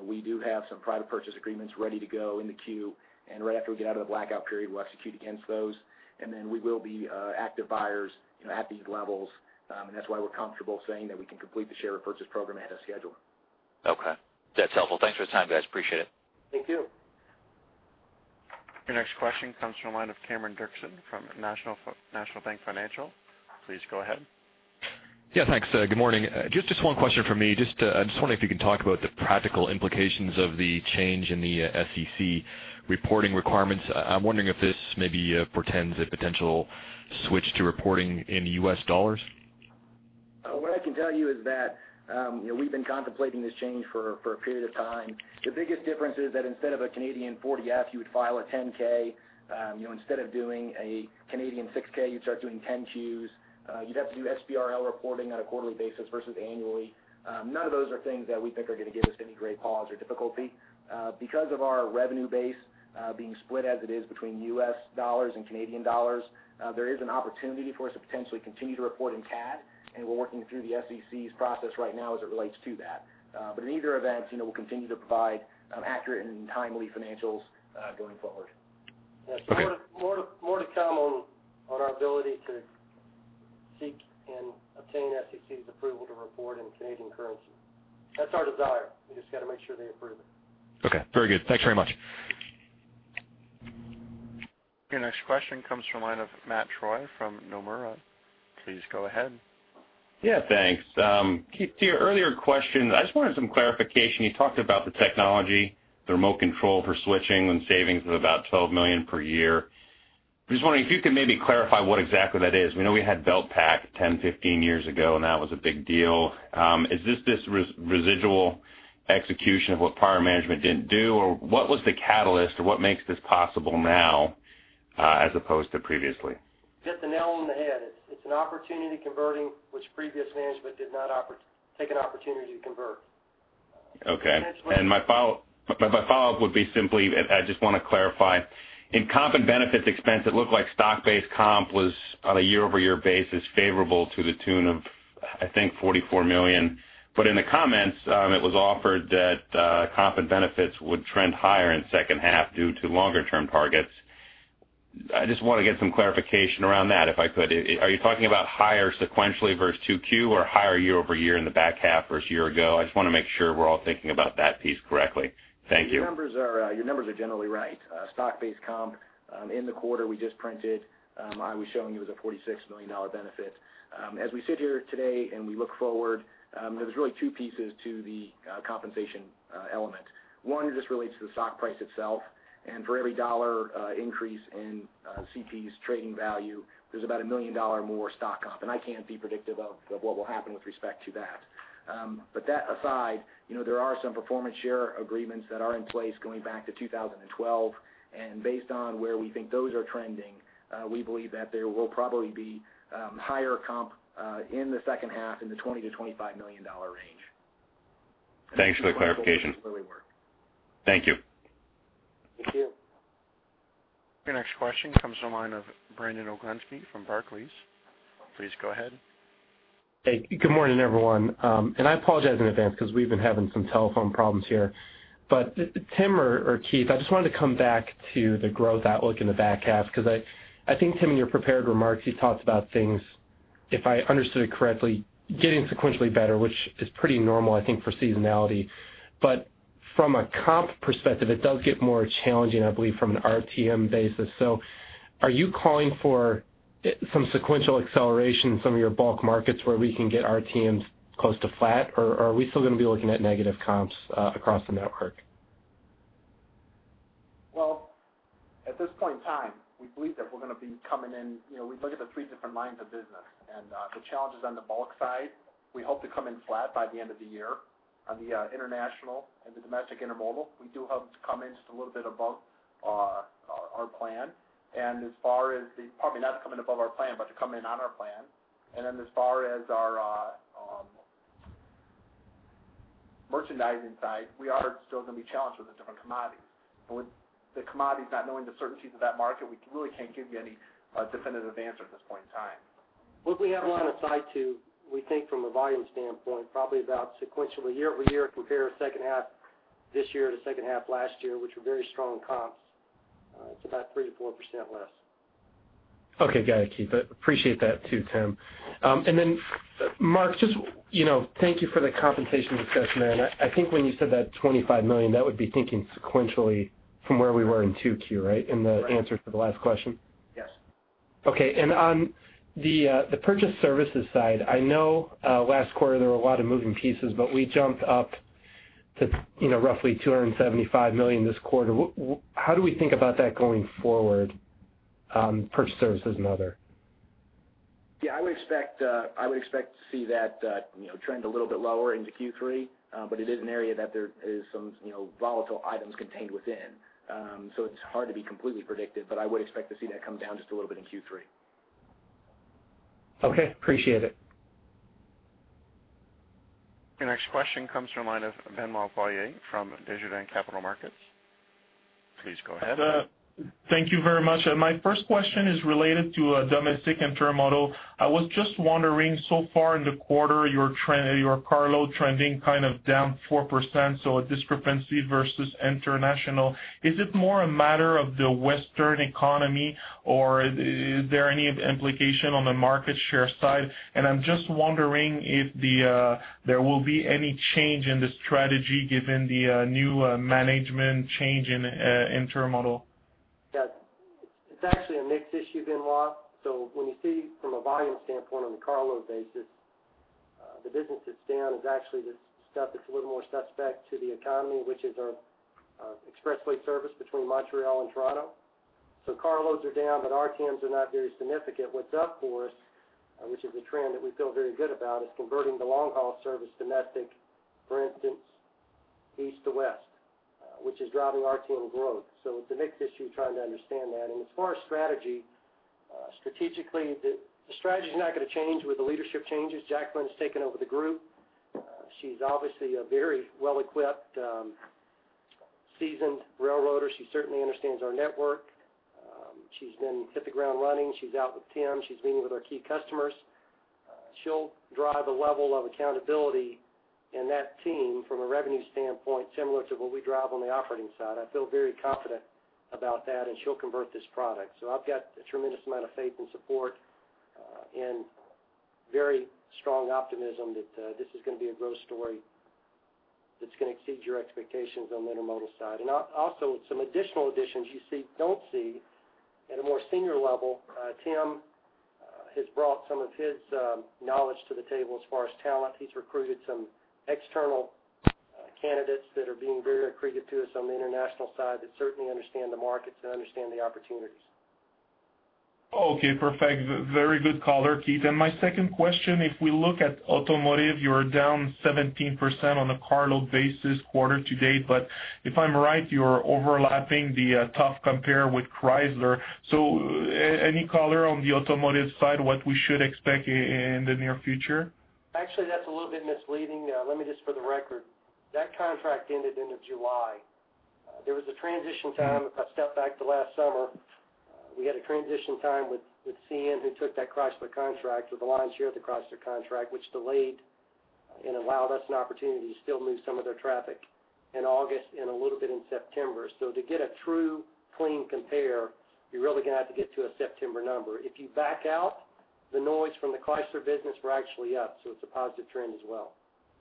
We do have some private purchase agreements ready to go in the queue. And right after we get out of the blackout period, we'll execute against those. And then we will be active buyers at these levels. And that's why we're comfortable saying that we can complete the share repurchase program ahead of schedule. Okay. That's helpful. Thanks for your time, guys. Appreciate it. Thank you. Your next question comes from line of Cameron Doerksen from National Bank Financial. Please go ahead. Yeah. Thanks. Good morning. Just one question from me. I just wonder if you can talk about the practical implications of the change in the SEC reporting requirements. I'm wondering if this maybe portends a potential switch to reporting in U.S. dollars? What I can tell you is that we've been contemplating this change for a period of time. The biggest difference is that instead of a Canadian 40-F, you would file a 10-K. Instead of doing a Canadian 6-K, you'd start doing 10-Qs. You'd have to do XBRL reporting on a quarterly basis versus annually. None of those are things that we think are going to give us any great pause or difficulty. Because of our revenue base being split as it is between US dollars and Canadian dollars, there is an opportunity for us to potentially continue to report in CAD. We're working through the SEC's process right now as it relates to that. In either event, we'll continue to provide accurate and timely financials going forward. Yeah. More to come on our ability to seek and obtain SEC's approval to report in Canadian currency. That's our desire. We just got to make sure they approve it. Okay. Very good. Thanks very much. Your next question comes from the line of Matt Troy from Nomura. Please go ahead. Yeah. Thanks. To your earlier question, I just wanted some clarification. You talked about the technology, the remote control for switching when savings of about 12 million per year. I'm just wondering if you could maybe clarify what exactly that is. We know we had Beltpack 10, 15 years ago. And that was a big deal. Is this this residual execution of what prior management didn't do? Or what was the catalyst? Or what makes this possible now as opposed to previously? You hit the nail on the head. It's an opportunity converting, which previous management did not take an opportunity to convert. Okay. And my follow-up would be simply I just want to clarify. In comp and benefits expense, it looked like stock-based comp was on a year-over-year basis favorable to the tune of, I think, 44 million. But in the comments, it was offered that comp and benefits would trend higher in second half due to longer-term targets. I just want to get some clarification around that if I could. Are you talking about higher sequentially versus 2Q or higher year-over-year in the back half versus year ago? I just want to make sure we're all thinking about that piece correctly. Thank you. Your numbers are generally right. Stock-based comp in the quarter we just printed, I was showing you was a $46 million benefit. As we sit here today and we look forward, there's really two pieces to the compensation element. One, it just relates to the stock price itself. For every dollar increase in CP's trading value, there's about a $1 million more stock comp. I can't be predictive of what will happen with respect to that. That aside, there are some performance share agreements that are in place going back to 2012. Based on where we think those are trending, we believe that there will probably be higher comp in the second half in the $20 million-$25 million range. Thanks for the clarification. Thank you. Thank you. Your next question comes from line of Brandon Oglenski from Barclays. Please go ahead. Hey. Good morning, everyone. I apologize in advance because we've been having some telephone problems here. Tim or Keith, I just wanted to come back to the growth outlook in the back half because I think, Tim, in your prepared remarks, you talked about things, if I understood it correctly, getting sequentially better, which is pretty normal, I think, for seasonality. From a comp perspective, it does get more challenging, I believe, from an RTM basis. So are you calling for some sequential acceleration in some of your bulk markets where we can get RTMs close to flat? Or are we still going to be looking at negative comps across the network? Well, at this point in time, we believe that we're going to be coming in. We look at the three different lines of business. And the challenge is on the bulk side. We hope to come in flat by the end of the year on the international and the domestic intermodal. We do hope to come in just a little bit above our plan. And as far as the probably not to come in above our plan but to come in on our plan. And then as far as our merchandising side, we are still going to be challenged with the different commodities. But with the commodities not knowing the certainties of that market, we really can't give you any definitive answer at this point in time. What we have line of sight to, we think from a volume standpoint, probably about sequentially year-over-year compare second half this year to second half last year, which were very strong comps. It's about 3%-4% less. Okay. Got it, Keith. Appreciate that too, Tim. And then, Mark, just thank you for the compensation discussion, man. I think when you said that 25 million, that would be thinking sequentially from where we were in 2Q, right, in the answer to the last question? Yes. Okay. And on the purchased services side, I know last quarter there were a lot of moving pieces. But we jumped up to roughly 275 million this quarter. How do we think about that going forward, purchased services and other? Yeah. I would expect to see that trend a little bit lower into Q3. But it is an area that there is some volatile items contained within. So it's hard to be completely predictive. But I would expect to see that come down just a little bit in Q3. Okay. Appreciate it. Your next question comes from the line of Benoit Poirier from Desjardins Capital Markets. Please go ahead. Thank you very much. My first question is related to Domestic Intermodal. I was just wondering, so far in the quarter, your carload trending kind of down 4%. So a discrepancy versus international. Is it more a matter of the Western economy? Or is there any implication on the market share side? And I'm just wondering if there will be any change in the strategy given the new management change in intermodal? Yeah. It's actually a mixed issue, Benoit. So when you see from a volume standpoint on the carload basis, the business that's down is actually the stuff that's a little more suspect to the economy, which is our Expressway service between Montreal and Toronto. So carloads are down. But RTMs are not very significant. What's up for us, which is a trend that we feel very good about, is converting the long-haul service domestic, for instance, east to west, which is driving RTM growth. So it's a mixed issue trying to understand that. And as far as strategy, strategically, the strategy's not going to change with the leadership changes. Jacqueline has taken over the group. She's obviously a very well-equipped, seasoned railroader. She certainly understands our network. She's been hit the ground running. She's out with Tim. She's meeting with our key customers. She'll drive a level of accountability in that team from a revenue standpoint similar to what we drive on the operating side. I feel very confident about that. She'll convert this product. I've got a tremendous amount of faith and support and very strong optimism that this is going to be a growth story that's going to exceed your expectations on the intermodal side. Also, some additional additions you don't see at a more senior level. Tim has brought some of his knowledge to the table as far as talent. He's recruited some external candidates that are being very accretive to us on the international side that certainly understand the markets and understand the opportunities. Okay. Perfect. Very good caller, Keith. And my second question, if we look at automotive, you're down 17% on a carload basis quarter to date. But if I'm right, you're overlapping the tough compare with Chrysler. So any color on the automotive side what we should expect in the near future? Actually, that's a little bit misleading. Let me just for the record, that contract ended end of July. There was a transition time. If I step back to last summer, we had a transition time with CN who took that Chrysler contract with a lion's share of the Chrysler contract, which delayed and allowed us an opportunity to still move some of their traffic in August and a little bit in September. So to get a true clean compare, you're really going to have to get to a September number. If you back out the noise from the Chrysler business, we were actually up. So it's a positive trend as well.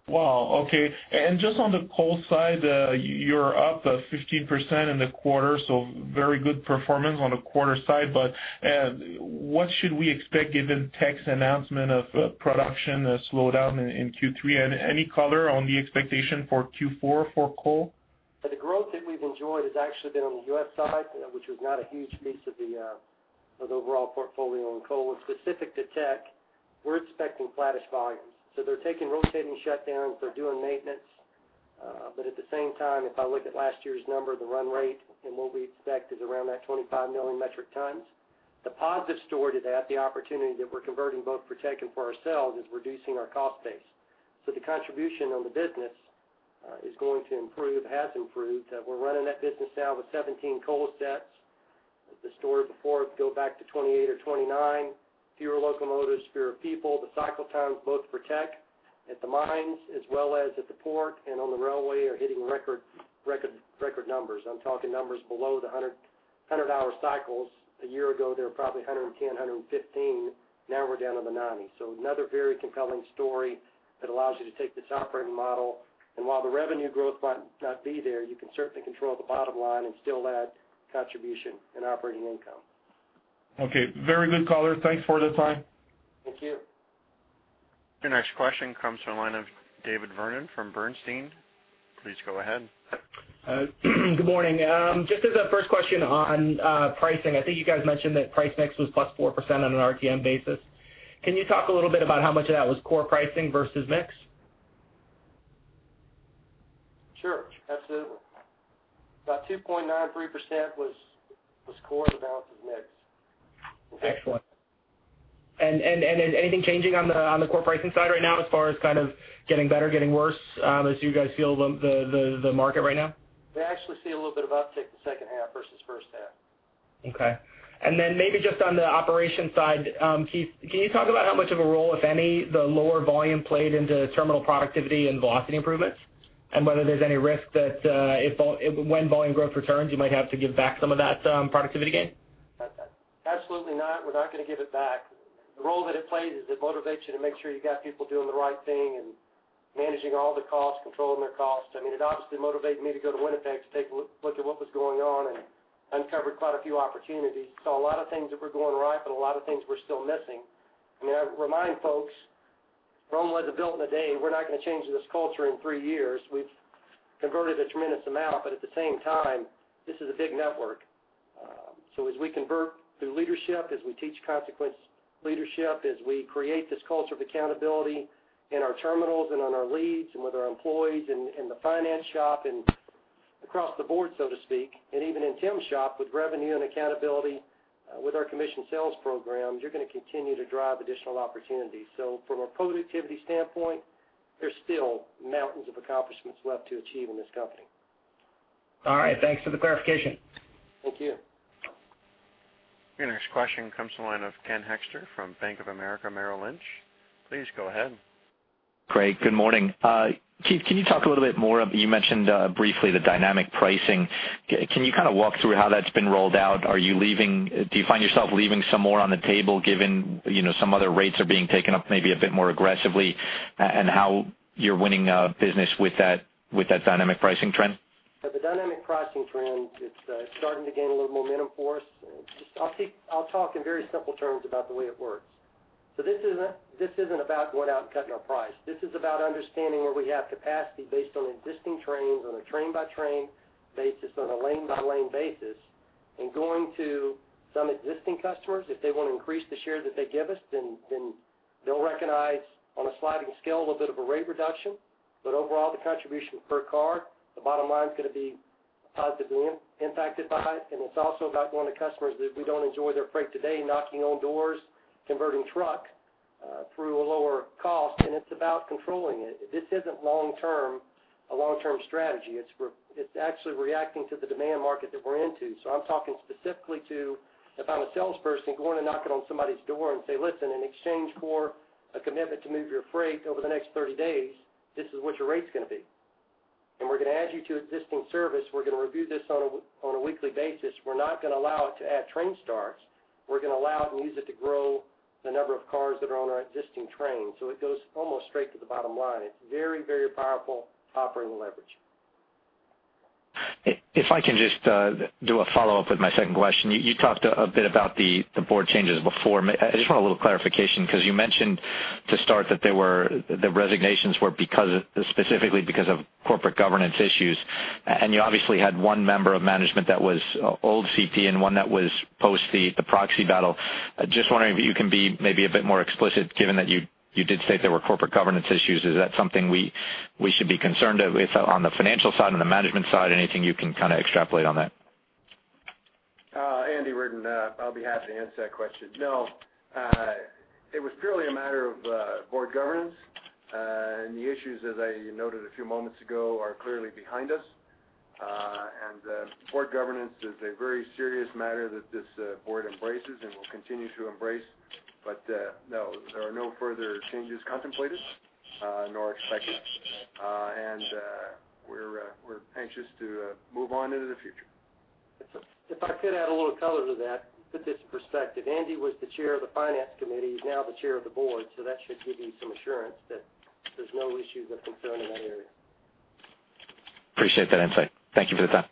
Wow. Okay. Just on the coal side, you're up 15% in the quarter. So very good performance on the quarter side. But what should we expect given Teck's announcement of production slowdown in Q3? And any color on the expectation for Q4 for coal? So the growth that we've enjoyed has actually been on the U.S. side, which was not a huge piece of the overall portfolio in coal. But specific to Teck, we're expecting flat-ish volumes. So they're taking rotating shutdowns. They're doing maintenance. But at the same time, if I look at last year's number, the run rate and what we expect is around that 25 million metric tons. The positive story to that, the opportunity that we're converting both for Teck and for ourselves, is reducing our cost base. So the contribution on the business is going to improve, has improved. We're running that business now with 17 coal sets. The story before would go back to 28 or 29, fewer locomotives, fewer people. The cycle times both for Teck at the mines as well as at the port and on the railway are hitting record numbers. I'm talking numbers below the 100-hour cycles. A year ago, they were probably 110, 115. Now we're down to the 90. So another very compelling story that allows you to take this operating model. While the revenue growth might not be there, you can certainly control the bottom line and still add contribution and operating income. Okay. Very good caller. Thanks for the time. Thank you. Your next question comes from the line of David Vernon from Bernstein. Please go ahead. Good morning. Just as a first question on pricing, I think you guys mentioned that price mix was +4% on an RTM basis. Can you talk a little bit about how much of that was core pricing versus mix? Sure. Absolutely. About 2.93% was core. The balance was mix. Excellent. Is anything changing on the core pricing side right now as far as kind of getting better, getting worse as you guys feel the market right now? They actually see a little bit of uptick the second half versus first half. Okay. And then maybe just on the operation side, Keith, can you talk about how much of a role, if any, the lower volume played into terminal productivity and velocity improvements? And whether there's any risk that when volume growth returns, you might have to give back some of that productivity gain? Absolutely not. We're not going to give it back. The role that it plays is it motivates you to make sure you've got people doing the right thing and managing all the costs, controlling their costs. I mean, it obviously motivated me to go to Winnipeg to take a look at what was going on and uncovered quite a few opportunities. Saw a lot of things that were going right. But a lot of things were still missing. I mean, I remind folks, Rome wasn't built in a day. We're not going to change this culture in three years. We've converted a tremendous amount. But at the same time, this is a big network. So as we convert through leadership, as we teach consequence leadership, as we create this culture of accountability in our terminals and on our leads and with our employees in the finance shop and across the board, so to speak, and even in Tim's shop with revenue and accountability with our commissioned sales program, you're going to continue to drive additional opportunities. So from a productivity standpoint, there's still mountains of accomplishments left to achieve in this company. All right. Thanks for the clarification. Thank you. Your next question comes from line of Ken Hoexter from Bank of America Merrill Lynch. Please go ahead. Great. Good morning. Keith, can you talk a little bit more? You mentioned briefly the dynamic pricing. Can you kind of walk through how that's been rolled out? Do you find yourself leaving some more on the table given some other rates are being taken up maybe a bit more aggressively, and how you're winning business with that dynamic pricing trend? The dynamic pricing trend, it's starting to gain a little momentum for us. I'll talk in very simple terms about the way it works. This isn't about going out and cutting our price. This is about understanding where we have capacity based on existing trains, on a train-by-train basis, on a lane-by-lane basis, and going to some existing customers. If they want to increase the share that they give us, then they'll recognize on a sliding scale a little bit of a rate reduction. Overall, the contribution per car, the bottom line's going to be positively impacted by it. It's also about going to customers that we don't enjoy their freight today, knocking on doors, converting truck through a lower cost. It's about controlling it. This isn't a long-term strategy. It's actually reacting to the demand market that we're into. So I'm talking specifically to if I'm a salesperson, going to knock it on somebody's door and say, "Listen, in exchange for a commitment to move your freight over the next 30 days, this is what your rate's going to be. And we're going to add you to existing service. We're going to review this on a weekly basis. We're not going to allow it to add train starts. We're going to allow it and use it to grow the number of cars that are on our existing trains." So it goes almost straight to the bottom line. It's very, very powerful operating leverage. If I can just do a follow-up with my second question. You talked a bit about the board changes before. I just want a little clarification because you mentioned to start that the resignations were specifically because of corporate governance issues. You obviously had one member of management that was old CP and one that was post the proxy battle. Just wondering if you can be maybe a bit more explicit given that you did state there were corporate governance issues. Is that something we should be concerned with on the financial side and the management side? Anything you can kind of extrapolate on that? Andrew Reardon, I'll be happy to answer that question. No. It was purely a matter of board governance. And the issues, as I noted a few moments ago, are clearly behind us. And board governance is a very serious matter that this board embraces and will continue to embrace. But no, there are no further changes contemplated nor expected. And we're anxious to move on into the future. If I could add a little color to that, put this in perspective. Andrew was the chair of the finance committee. He's now the chair of the board. So that should give you some assurance that there's no issues of concern in that area. Appreciate that insight. Thank you for the time.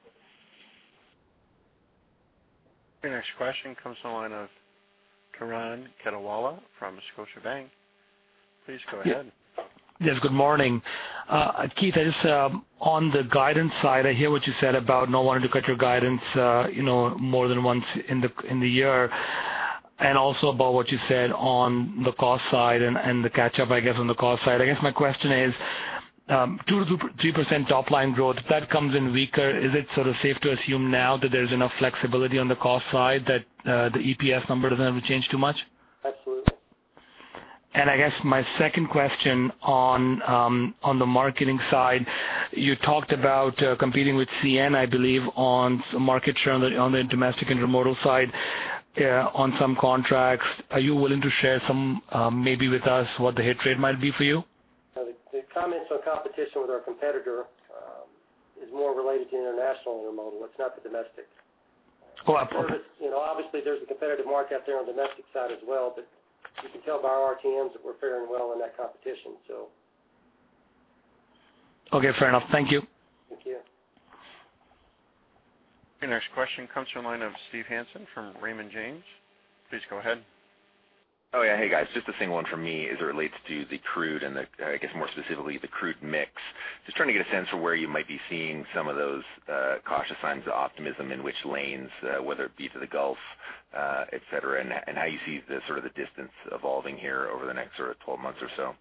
Your next question comes from the line of Turan Quettawala from Scotiabank. Please go ahead. Yes. Good morning. Keith, I guess on the guidance side, I hear what you said about no wanting to cut your guidance more than once in the year and also about what you said on the cost side and the catch-up, I guess, on the cost side. I guess my question is, 2%-3% top-line growth, if that comes in weaker, is it sort of safe to assume now that there's enough flexibility on the cost side that the EPS number doesn't have to change too much? Absolutely. I guess my second question on the marketing side, you talked about competing with CN, I believe, on market share on the domestic intermodal side on some contracts. Are you willing to share maybe with us what the hit rate might be for you? The comments on competition with our competitor is more related to International Intermodal. It's not the domestic. Oh. Obviously, there's a competitive market out there on the domestic side as well. But you can tell by our RTMs that we're faring well in that competition, so. Okay. Fair enough. Thank you. Thank you. Your next question comes from line of Steven Hansen from Raymond James. Please go ahead. Oh, yeah. Hey, guys. Just a single one from me as it relates to the crude and, I guess, more specifically, the crude mix. Just trying to get a sense of where you might be seeing some of those cautious signs of optimism in which lanes, whether it be to the Gulf, etc., and how you see sort of the distance evolving here over the next sort of 12 months or so?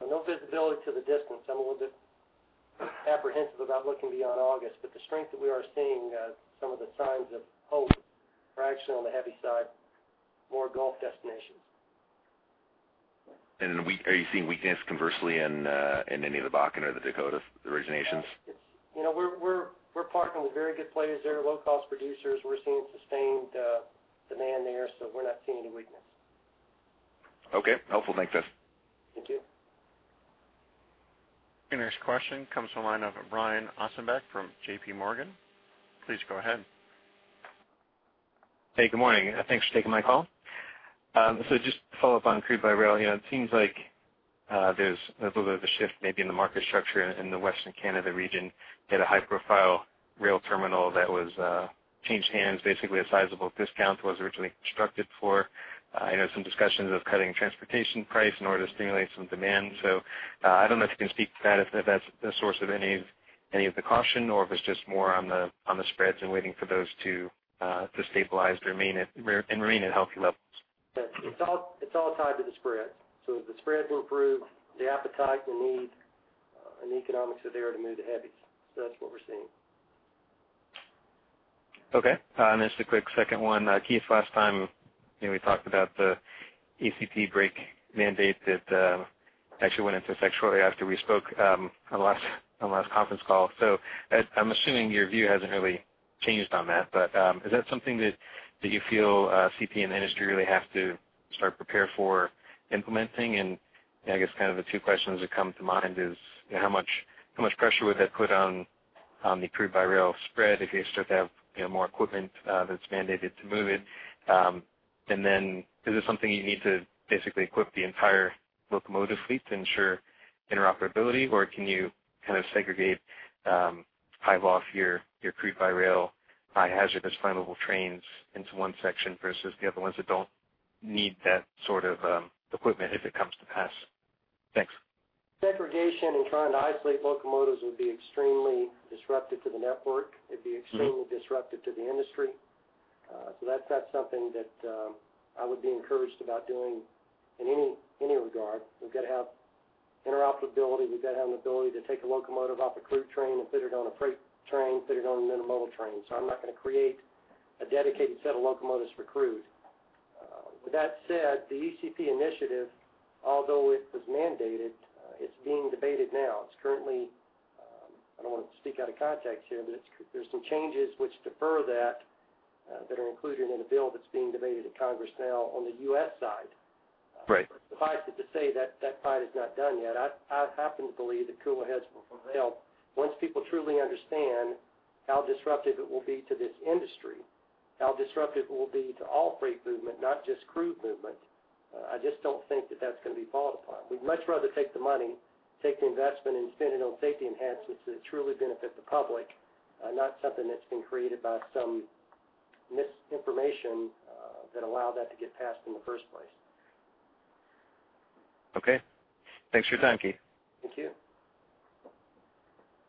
No visibility to the distance. I'm a little bit apprehensive about looking beyond August. But the strength that we are seeing, some of the signs of hope are actually on the heavy side, more Gulf destinations. Are you seeing weakness conversely in any of the Bakken or the Dakota originations? We're partnering with very good players there, low-cost producers. We're seeing sustained demand there. So we're not seeing any weakness. Okay. Helpful. Thanks, guys. Thank you. Your next question comes from line of Brian Ossenbeck from J.P. Morgan. Please go ahead. Hey. Good morning. Thanks for taking my call. So just to follow up on crude by rail, it seems like there's a little bit of a shift maybe in the market structure in the Western Canada region. They had a high-profile rail terminal that was changed hands, basically a sizable discount it was originally constructed for. I know some discussions of cutting transportation price in order to stimulate some demand. So I don't know if you can speak to that, if that's the source of any of the caution or if it's just more on the spreads and waiting for those to stabilize and remain at healthy levels. That it's all tied to the spreads. So if the spreads improve, the appetite, the need, and the economics are there to move the heavies. So that's what we're seeing. Okay. And just a quick second one. Keith, last time, we talked about the ECP brake mandate that actually went into effect shortly after we spoke on the last conference call. So I'm assuming your view hasn't really changed on that. But is that something that you feel CP and the industry really have to start preparing for implementing? And I guess kind of the two questions that come to mind is how much pressure would that put on the crude by rail spread if you start to have more equipment that's mandated to move it? And then is it something you need to basically equip the entire locomotive fleet to ensure interoperability? Or can you kind of segregate, hive off your crude by rail, high-hazardous, flammable trains into one section versus the other ones that don't need that sort of equipment if it comes to pass? Thanks. Segregation and trying to isolate locomotives would be extremely disruptive to the network. It'd be extremely disruptive to the industry. So that's not something that I would be encouraged about doing in any regard. We've got to have interoperability. We've got to have an ability to take a locomotive off a crude train and put it on a freight train, put it on an intermodal train. So I'm not going to create a dedicated set of locomotives for crude. With that said, the ECP initiative, although it was mandated, it's being debated now. I don't want to speak out of context here. But there's some changes which defer that that are included in a bill that's being debated in Congress now on the U.S. side. Suffice it to say, that fight is not done yet. I happen to believe that cooler heads will prevail once people truly understand how disruptive it will be to this industry, how disruptive it will be to all freight movement, not just crude movement. I just don't think that that's going to be fought upon. We'd much rather take the money, take the investment, and spend it on safety enhancements that truly benefit the public, not something that's been created by some misinformation that allowed that to get passed in the first place. Okay. Thanks for your time, Keith. Thank you.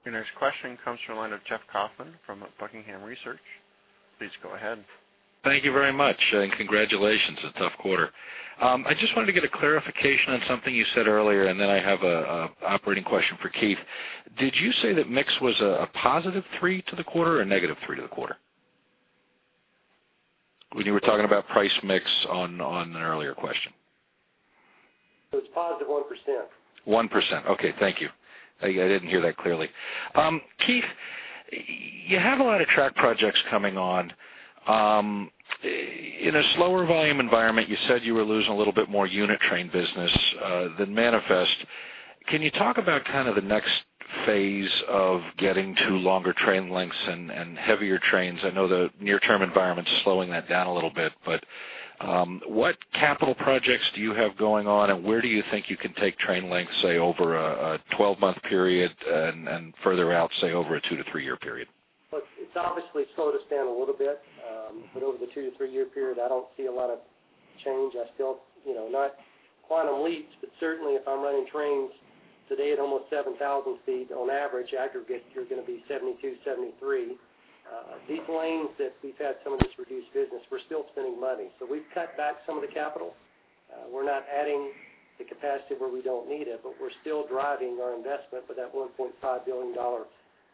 Your next question comes from line of Jeff Kauffman from Buckingham Research. Please go ahead. Thank you very much. Congratulations. It's a tough quarter. I just wanted to get a clarification on something you said earlier. Then I have an operating question for Keith. Did you say that mix was a +3 to the quarter or a -3 to the quarter when you were talking about price mix on an earlier question? It's +1%. 1%. Okay. Thank you. I didn't hear that clearly. Keith, you have a lot of track projects coming on. In a slower volume environment, you said you were losing a little bit more unit train business than manifest. Can you talk about kind of the next phase of getting to longer train lengths and heavier trains? I know the near-term environment's slowing that down a little bit. But what capital projects do you have going on? And where do you think you can take train lengths, say, over a 12-month period and further out, say, over a 2-3-year period? Well, it's obviously slow to stand a little bit. But over the 2-3-year period, I don't see a lot of change. Not quantum leaps. But certainly, if I'm running trains today at almost 7,000 feet on average, aggregate, you're going to be 72, 73. These lanes that we've had some of this reduced business, we're still spending money. So we've cut back some of the capital. We're not adding the capacity where we don't need it. But we're still driving our investment with that $1.5 billion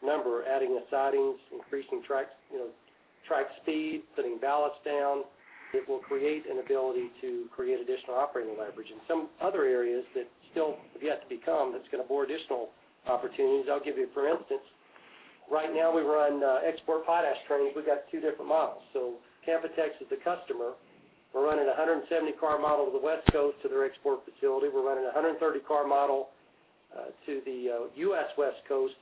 number, adding sidings, increasing track speed, putting ballast down that will create an ability to create additional operating leverage. And some other areas that still have yet to become that's going to bear additional opportunities. I'll give you, for instance, right now, we run export potash trains. We've got two different models. So Canpotex is the customer. We're running a 170-car model to the West Coast to their export facility. We're running a 130-car model to the US West Coast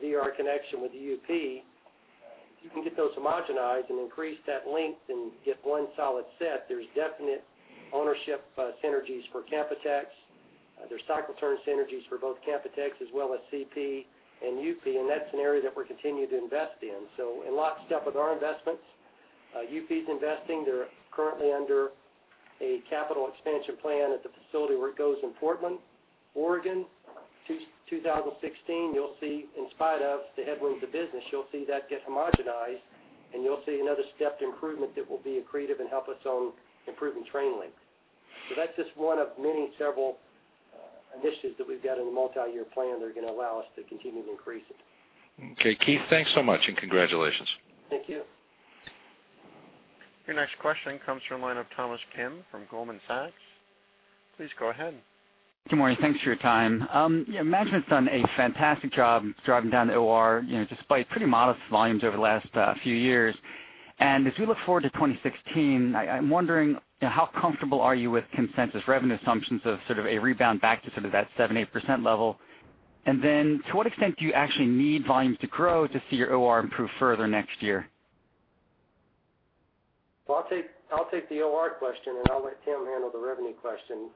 via our connection with the UP. If you can get those homogenized and increase that length and get one solid set, there's definite ownership synergies for Canpotex. There's cycle-turn synergies for both Canpotex as well as CP and UP. And that's an area that we're continuing to invest in. So in lots of stuff with our investments, UP's investing. They're currently under a capital expansion plan at the facility where it goes in Portland, Oregon. 2016, you'll see, in spite of the headwinds of business, you'll see that get homogenized. And you'll see another stepped improvement that will be accretive and help us on improving train lengths. That's just one of many several initiatives that we've got in the multi-year plan that are going to allow us to continue to increase it. Okay. Keith, thanks so much. And congratulations. Thank you. Your next question comes from the line of Thomas Kim from Goldman Sachs. Please go ahead. Good morning. Thanks for your time. Management's done a fantastic job driving down the OR despite pretty modest volumes over the last few years. And as we look forward to 2016, I'm wondering, how comfortable are you with consensus revenue assumptions of sort of a rebound back to sort of that 7%-8% level? And then to what extent do you actually need volumes to grow to see your OR improve further next year? Well, I'll take the OR question. And I'll let Tim handle the revenue question.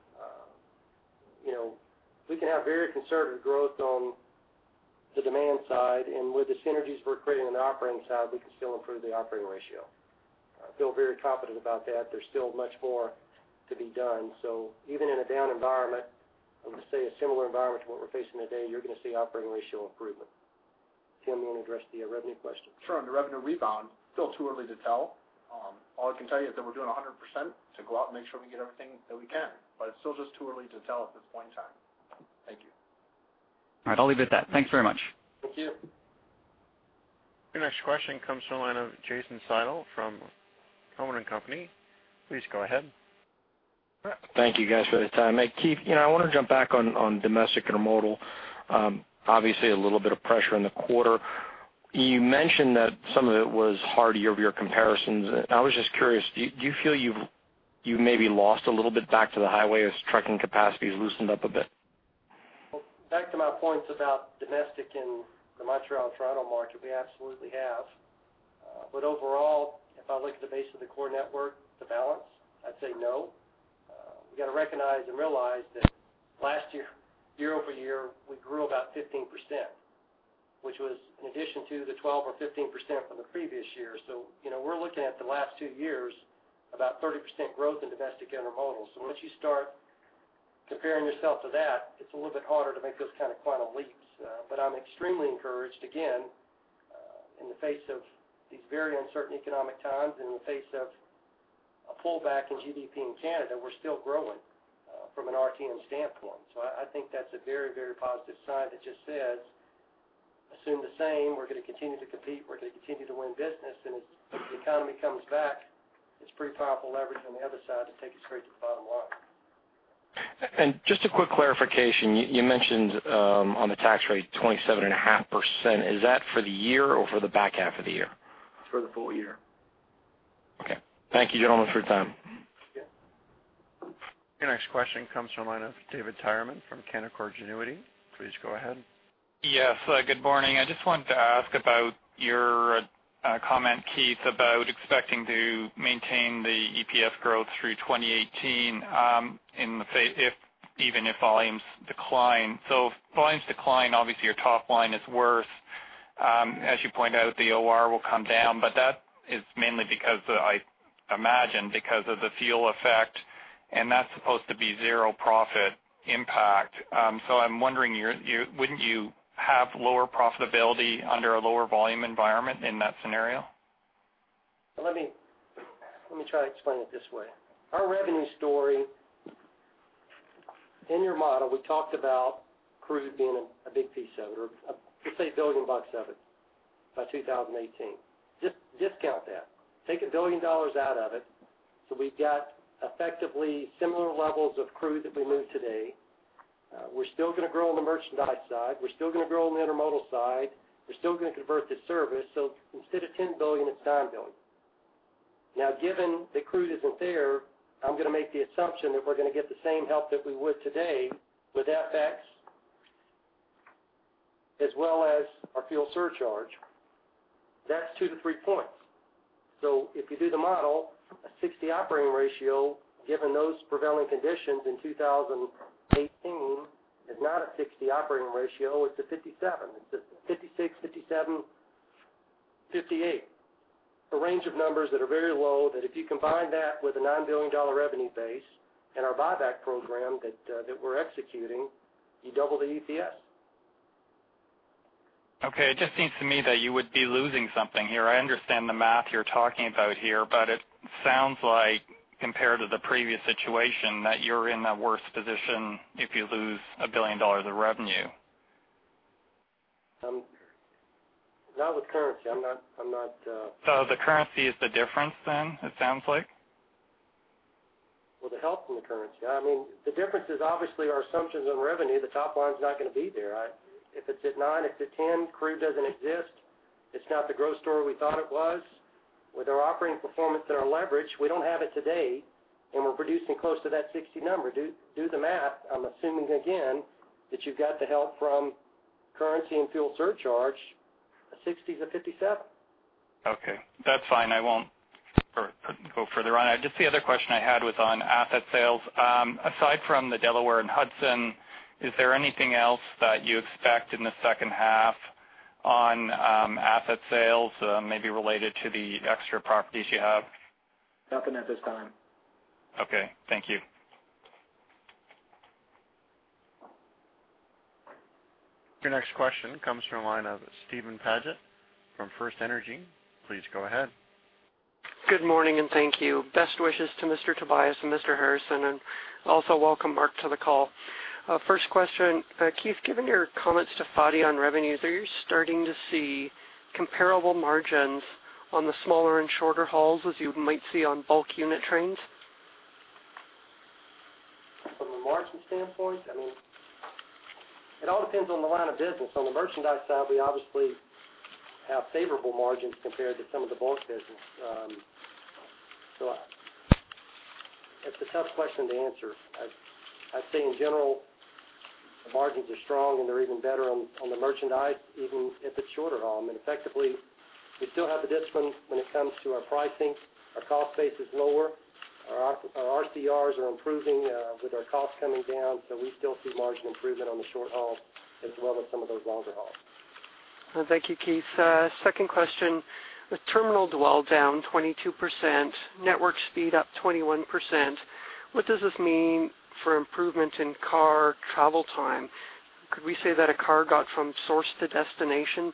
We can have very conservative growth on the demand side. And with the synergies we're creating on the operating side, we can still improve the operating ratio. I feel very confident about that. There's still much more to be done. So even in a down environment, I would say a similar environment to what we're facing today, you're going to see operating ratio improvement. Tim, you want to address the revenue question? Sure. On the revenue rebound, still too early to tell. All I can tell you is that we're doing 100% to go out and make sure we get everything that we can. But it's still just too early to tell at this point in time. Thank you. All right. I'll leave it at that. Thanks very much. Thank you. Your next question comes from line of Jason Seidl from Cowen and Company. Please go ahead. Thank you, guys, for the time. Hey, Keith, I want to jump back on Domestic Intermodal. Obviously, a little bit of pressure in the quarter. You mentioned that some of it was hard year-over-year comparisons. I was just curious, do you feel you've maybe lost a little bit back to the highway as trucking capacity's loosened up a bit? Well, back to my points about domestic and the Montreal-Toronto market, we absolutely have. But overall, if I look at the base of the core network, the balance, I'd say no. We got to recognize and realize that last year, year-over-year, we grew about 15%, which was in addition to the 12% or 15% from the previous year. So we're looking at the last two years, about 30% growth in domestic intermodal. So once you start comparing yourself to that, it's a little bit harder to make those kind of quantum leaps. But I'm extremely encouraged, again, in the face of these very uncertain economic times and in the face of a pullback in GDP in Canada, we're still growing from an RTM standpoint. So I think that's a very, very positive sign that just says, assume the same. We're going to continue to compete. We're going to continue to win business. As the economy comes back, it's pretty powerful leverage on the other side to take us straight to the bottom line. Just a quick clarification. You mentioned on the tax rate 27.5%. Is that for the year or for the back half of the year? For the full year. Okay. Thank you, gentlemen, for your time. Your next question comes from line of David Tyerman from Canaccord Genuity. Please go ahead. Yes. Good morning. I just wanted to ask about your comment, Keith, about expecting to maintain the EPS growth through 2018 even if volumes decline. So if volumes decline, obviously, your top line is worse. As you point out, the OR will come down. But that is mainly because, I imagine, because of the fuel effect. And that's supposed to be zero profit impact. So I'm wondering, wouldn't you have lower profitability under a lower volume environment in that scenario? Let me try to explain it this way. Our revenue story in your model, we talked about crude being a big piece of it or, let's say, $1 billion of it by 2018. Just discount that. Take $1 billion out of it. So we've got effectively similar levels of crude that we move today. We're still going to grow on the merchandise side. We're still going to grow on the intermodal side. We're still going to convert to service. So instead of $10 billion, it's $9 billion. Now, given that crude isn't there, I'm going to make the assumption that we're going to get the same help that we would today with FX as well as our fuel surcharge. That's 2-3 points. So if you do the model, a 60 operating ratio, given those prevailing conditions in 2018, is not a 60 operating ratio. It's a 57. It's a 56-58, a range of numbers that are very low that if you combine that with a $9 billion revenue base and our buyback program that we're executing, you double the EPS. Okay. It just seems to me that you would be losing something here. I understand the math you're talking about here. But it sounds like, compared to the previous situation, that you're in a worse position if you lose $1 billion of revenue. Not with currency. I'm not. The currency is the difference then, it sounds like? Well, the help from the currency. I mean, the difference is, obviously, our assumptions on revenue, the top line's not going to be there. If it's at 9, it's at 10. Crude doesn't exist. It's not the growth story we thought it was. With our operating performance and our leverage, we don't have it today. And we're producing close to that 60 number. Do the math. I'm assuming, again, that you've got the help from currency and fuel surcharge. A 60's a 57. Okay. That's fine. I won't go further on it. Just the other question I had was on asset sales. Aside from the Delaware and Hudson, is there anything else that you expect in the second half on asset sales, maybe related to the extra properties you have? Nothing at this time. Okay. Thank you. Your next question comes from the line of Steve Paget from FirstEnergy Capital. Please go ahead. Good morning. Thank you. Best wishes to Mr. Tobias and Mr. Harrison. Also welcome, Mark, to the call. First question, Keith, given your comments to Fadi on revenues, are you starting to see comparable margins on the smaller and shorter hauls as you might see on bulk unit trains? From a margin standpoint, I mean, it all depends on the line of business. On the merchandise side, we obviously have favorable margins compared to some of the bulk business. So it's a tough question to answer. I'd say, in general, the margins are strong. And they're even better on the merchandise, even if it's shorter haul. I mean, effectively, we still have the discipline when it comes to our pricing. Our cost base is lower. Our ORs are improving with our cost coming down. So we still see margin improvement on the short hauls as well as some of those longer hauls. Thank you, Keith. Second question, with terminal dwell down 22%, network speed up 21%, what does this mean for improvement in car travel time? Could we say that a car got from source to destination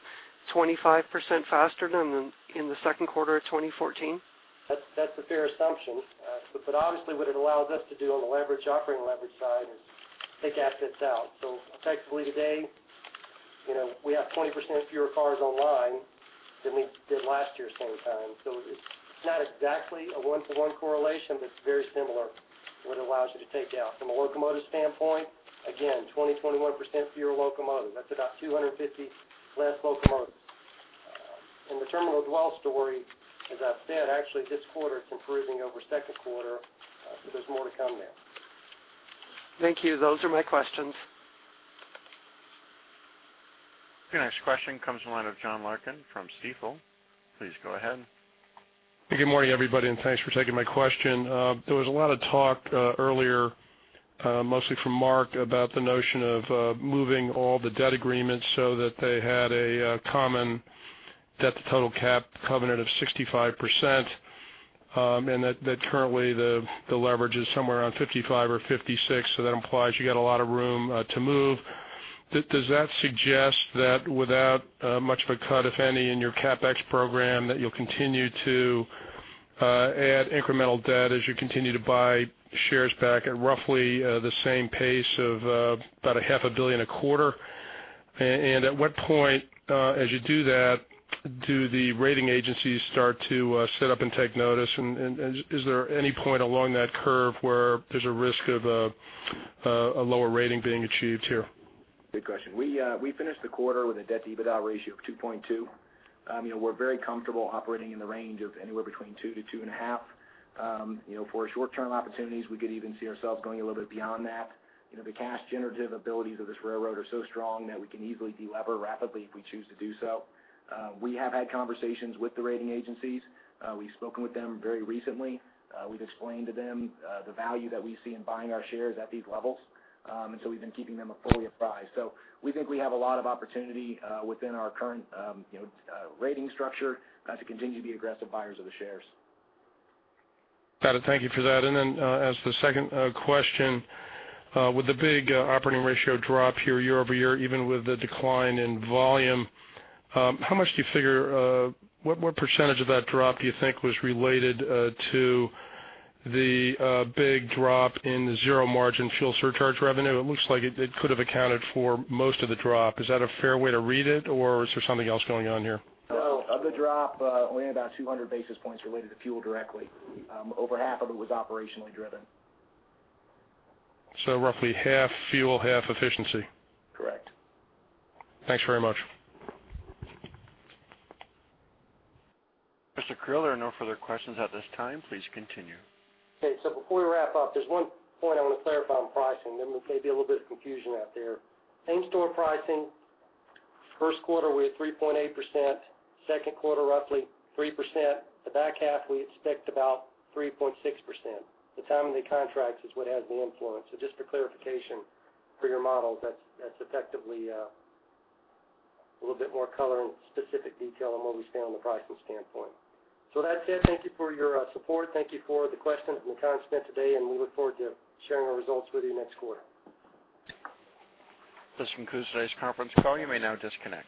25% faster than in the second quarter of 2014? That's a fair assumption. But obviously, what it allows us to do on the operating leverage side is take assets out. So effectively, today, we have 20% fewer cars online than we did last year at the same time. So it's not exactly a one-to-one correlation. But it's very similar to what it allows you to take out. From a locomotive standpoint, again, 20%-21% fewer locomotives. That's about 250 less locomotives. And the terminal dwell story, as I've said, actually, this quarter, it's improving over second quarter. So there's more to come there. Thank you. Those are my questions. Your next question comes from the line of John Larkin from Stifel. Please go ahead. Good morning, everybody. And thanks for taking my question. There was a lot of talk earlier, mostly from Mark, about the notion of moving all the debt agreements so that they had a common debt to total cap covenant of 65% and that currently, the leverage is somewhere around 55 or 56. So that implies you got a lot of room to move. Does that suggest that without much of a cut, if any, in your CapEx program, that you'll continue to add incremental debt as you continue to buy shares back at roughly the same pace of about 500 million a quarter? And at what point, as you do that, do the rating agencies start to set up and take notice? And is there any point along that curve where there's a risk of a lower rating being achieved here? Good question. We finished the quarter with a debt/EBITDA ratio of 2.2. We're very comfortable operating in the range of anywhere between 2-2.5. For short-term opportunities, we could even see ourselves going a little bit beyond that. The cash-generative abilities of this railroad are so strong that we can easily delever rapidly if we choose to do so. We have had conversations with the rating agencies. We've spoken with them very recently. We've explained to them the value that we see in buying our shares at these levels. And so we've been keeping them fully apprised. So we think we have a lot of opportunity within our current rating structure to continue to be aggressive buyers of the shares. Got it. Thank you for that. And then as the second question, with the big operating ratio drop here year-over-year, even with the decline in volume, how much do you figure what percentage of that drop do you think was related to the big drop in the zero-margin fuel surcharge revenue? It looks like it could have accounted for most of the drop. Is that a fair way to read it? Or is there something else going on here? No. Of the drop, only about 200 basis points related to fuel directly. Over half of it was operationally driven. Roughly half fuel, half efficiency? Correct. Thanks very much. Mr. Creel, there are no further questions at this time. Please continue. Okay. Before we wrap up, there's one point I want to clarify on pricing. There may be a little bit of confusion out there. Same store pricing. First quarter, we had 3.8%. Second quarter, roughly 3%. The back half, we expect about 3.6%. The time of the contracts is what has the influence. Just for clarification for your models, that's effectively a little bit more color and specific detail on where we stand on the pricing standpoint. So with that said, thank you for your support. Thank you for the questions and the time spent today. We look forward to sharing our results with you next quarter. This concludes today's conference call. You may now disconnect.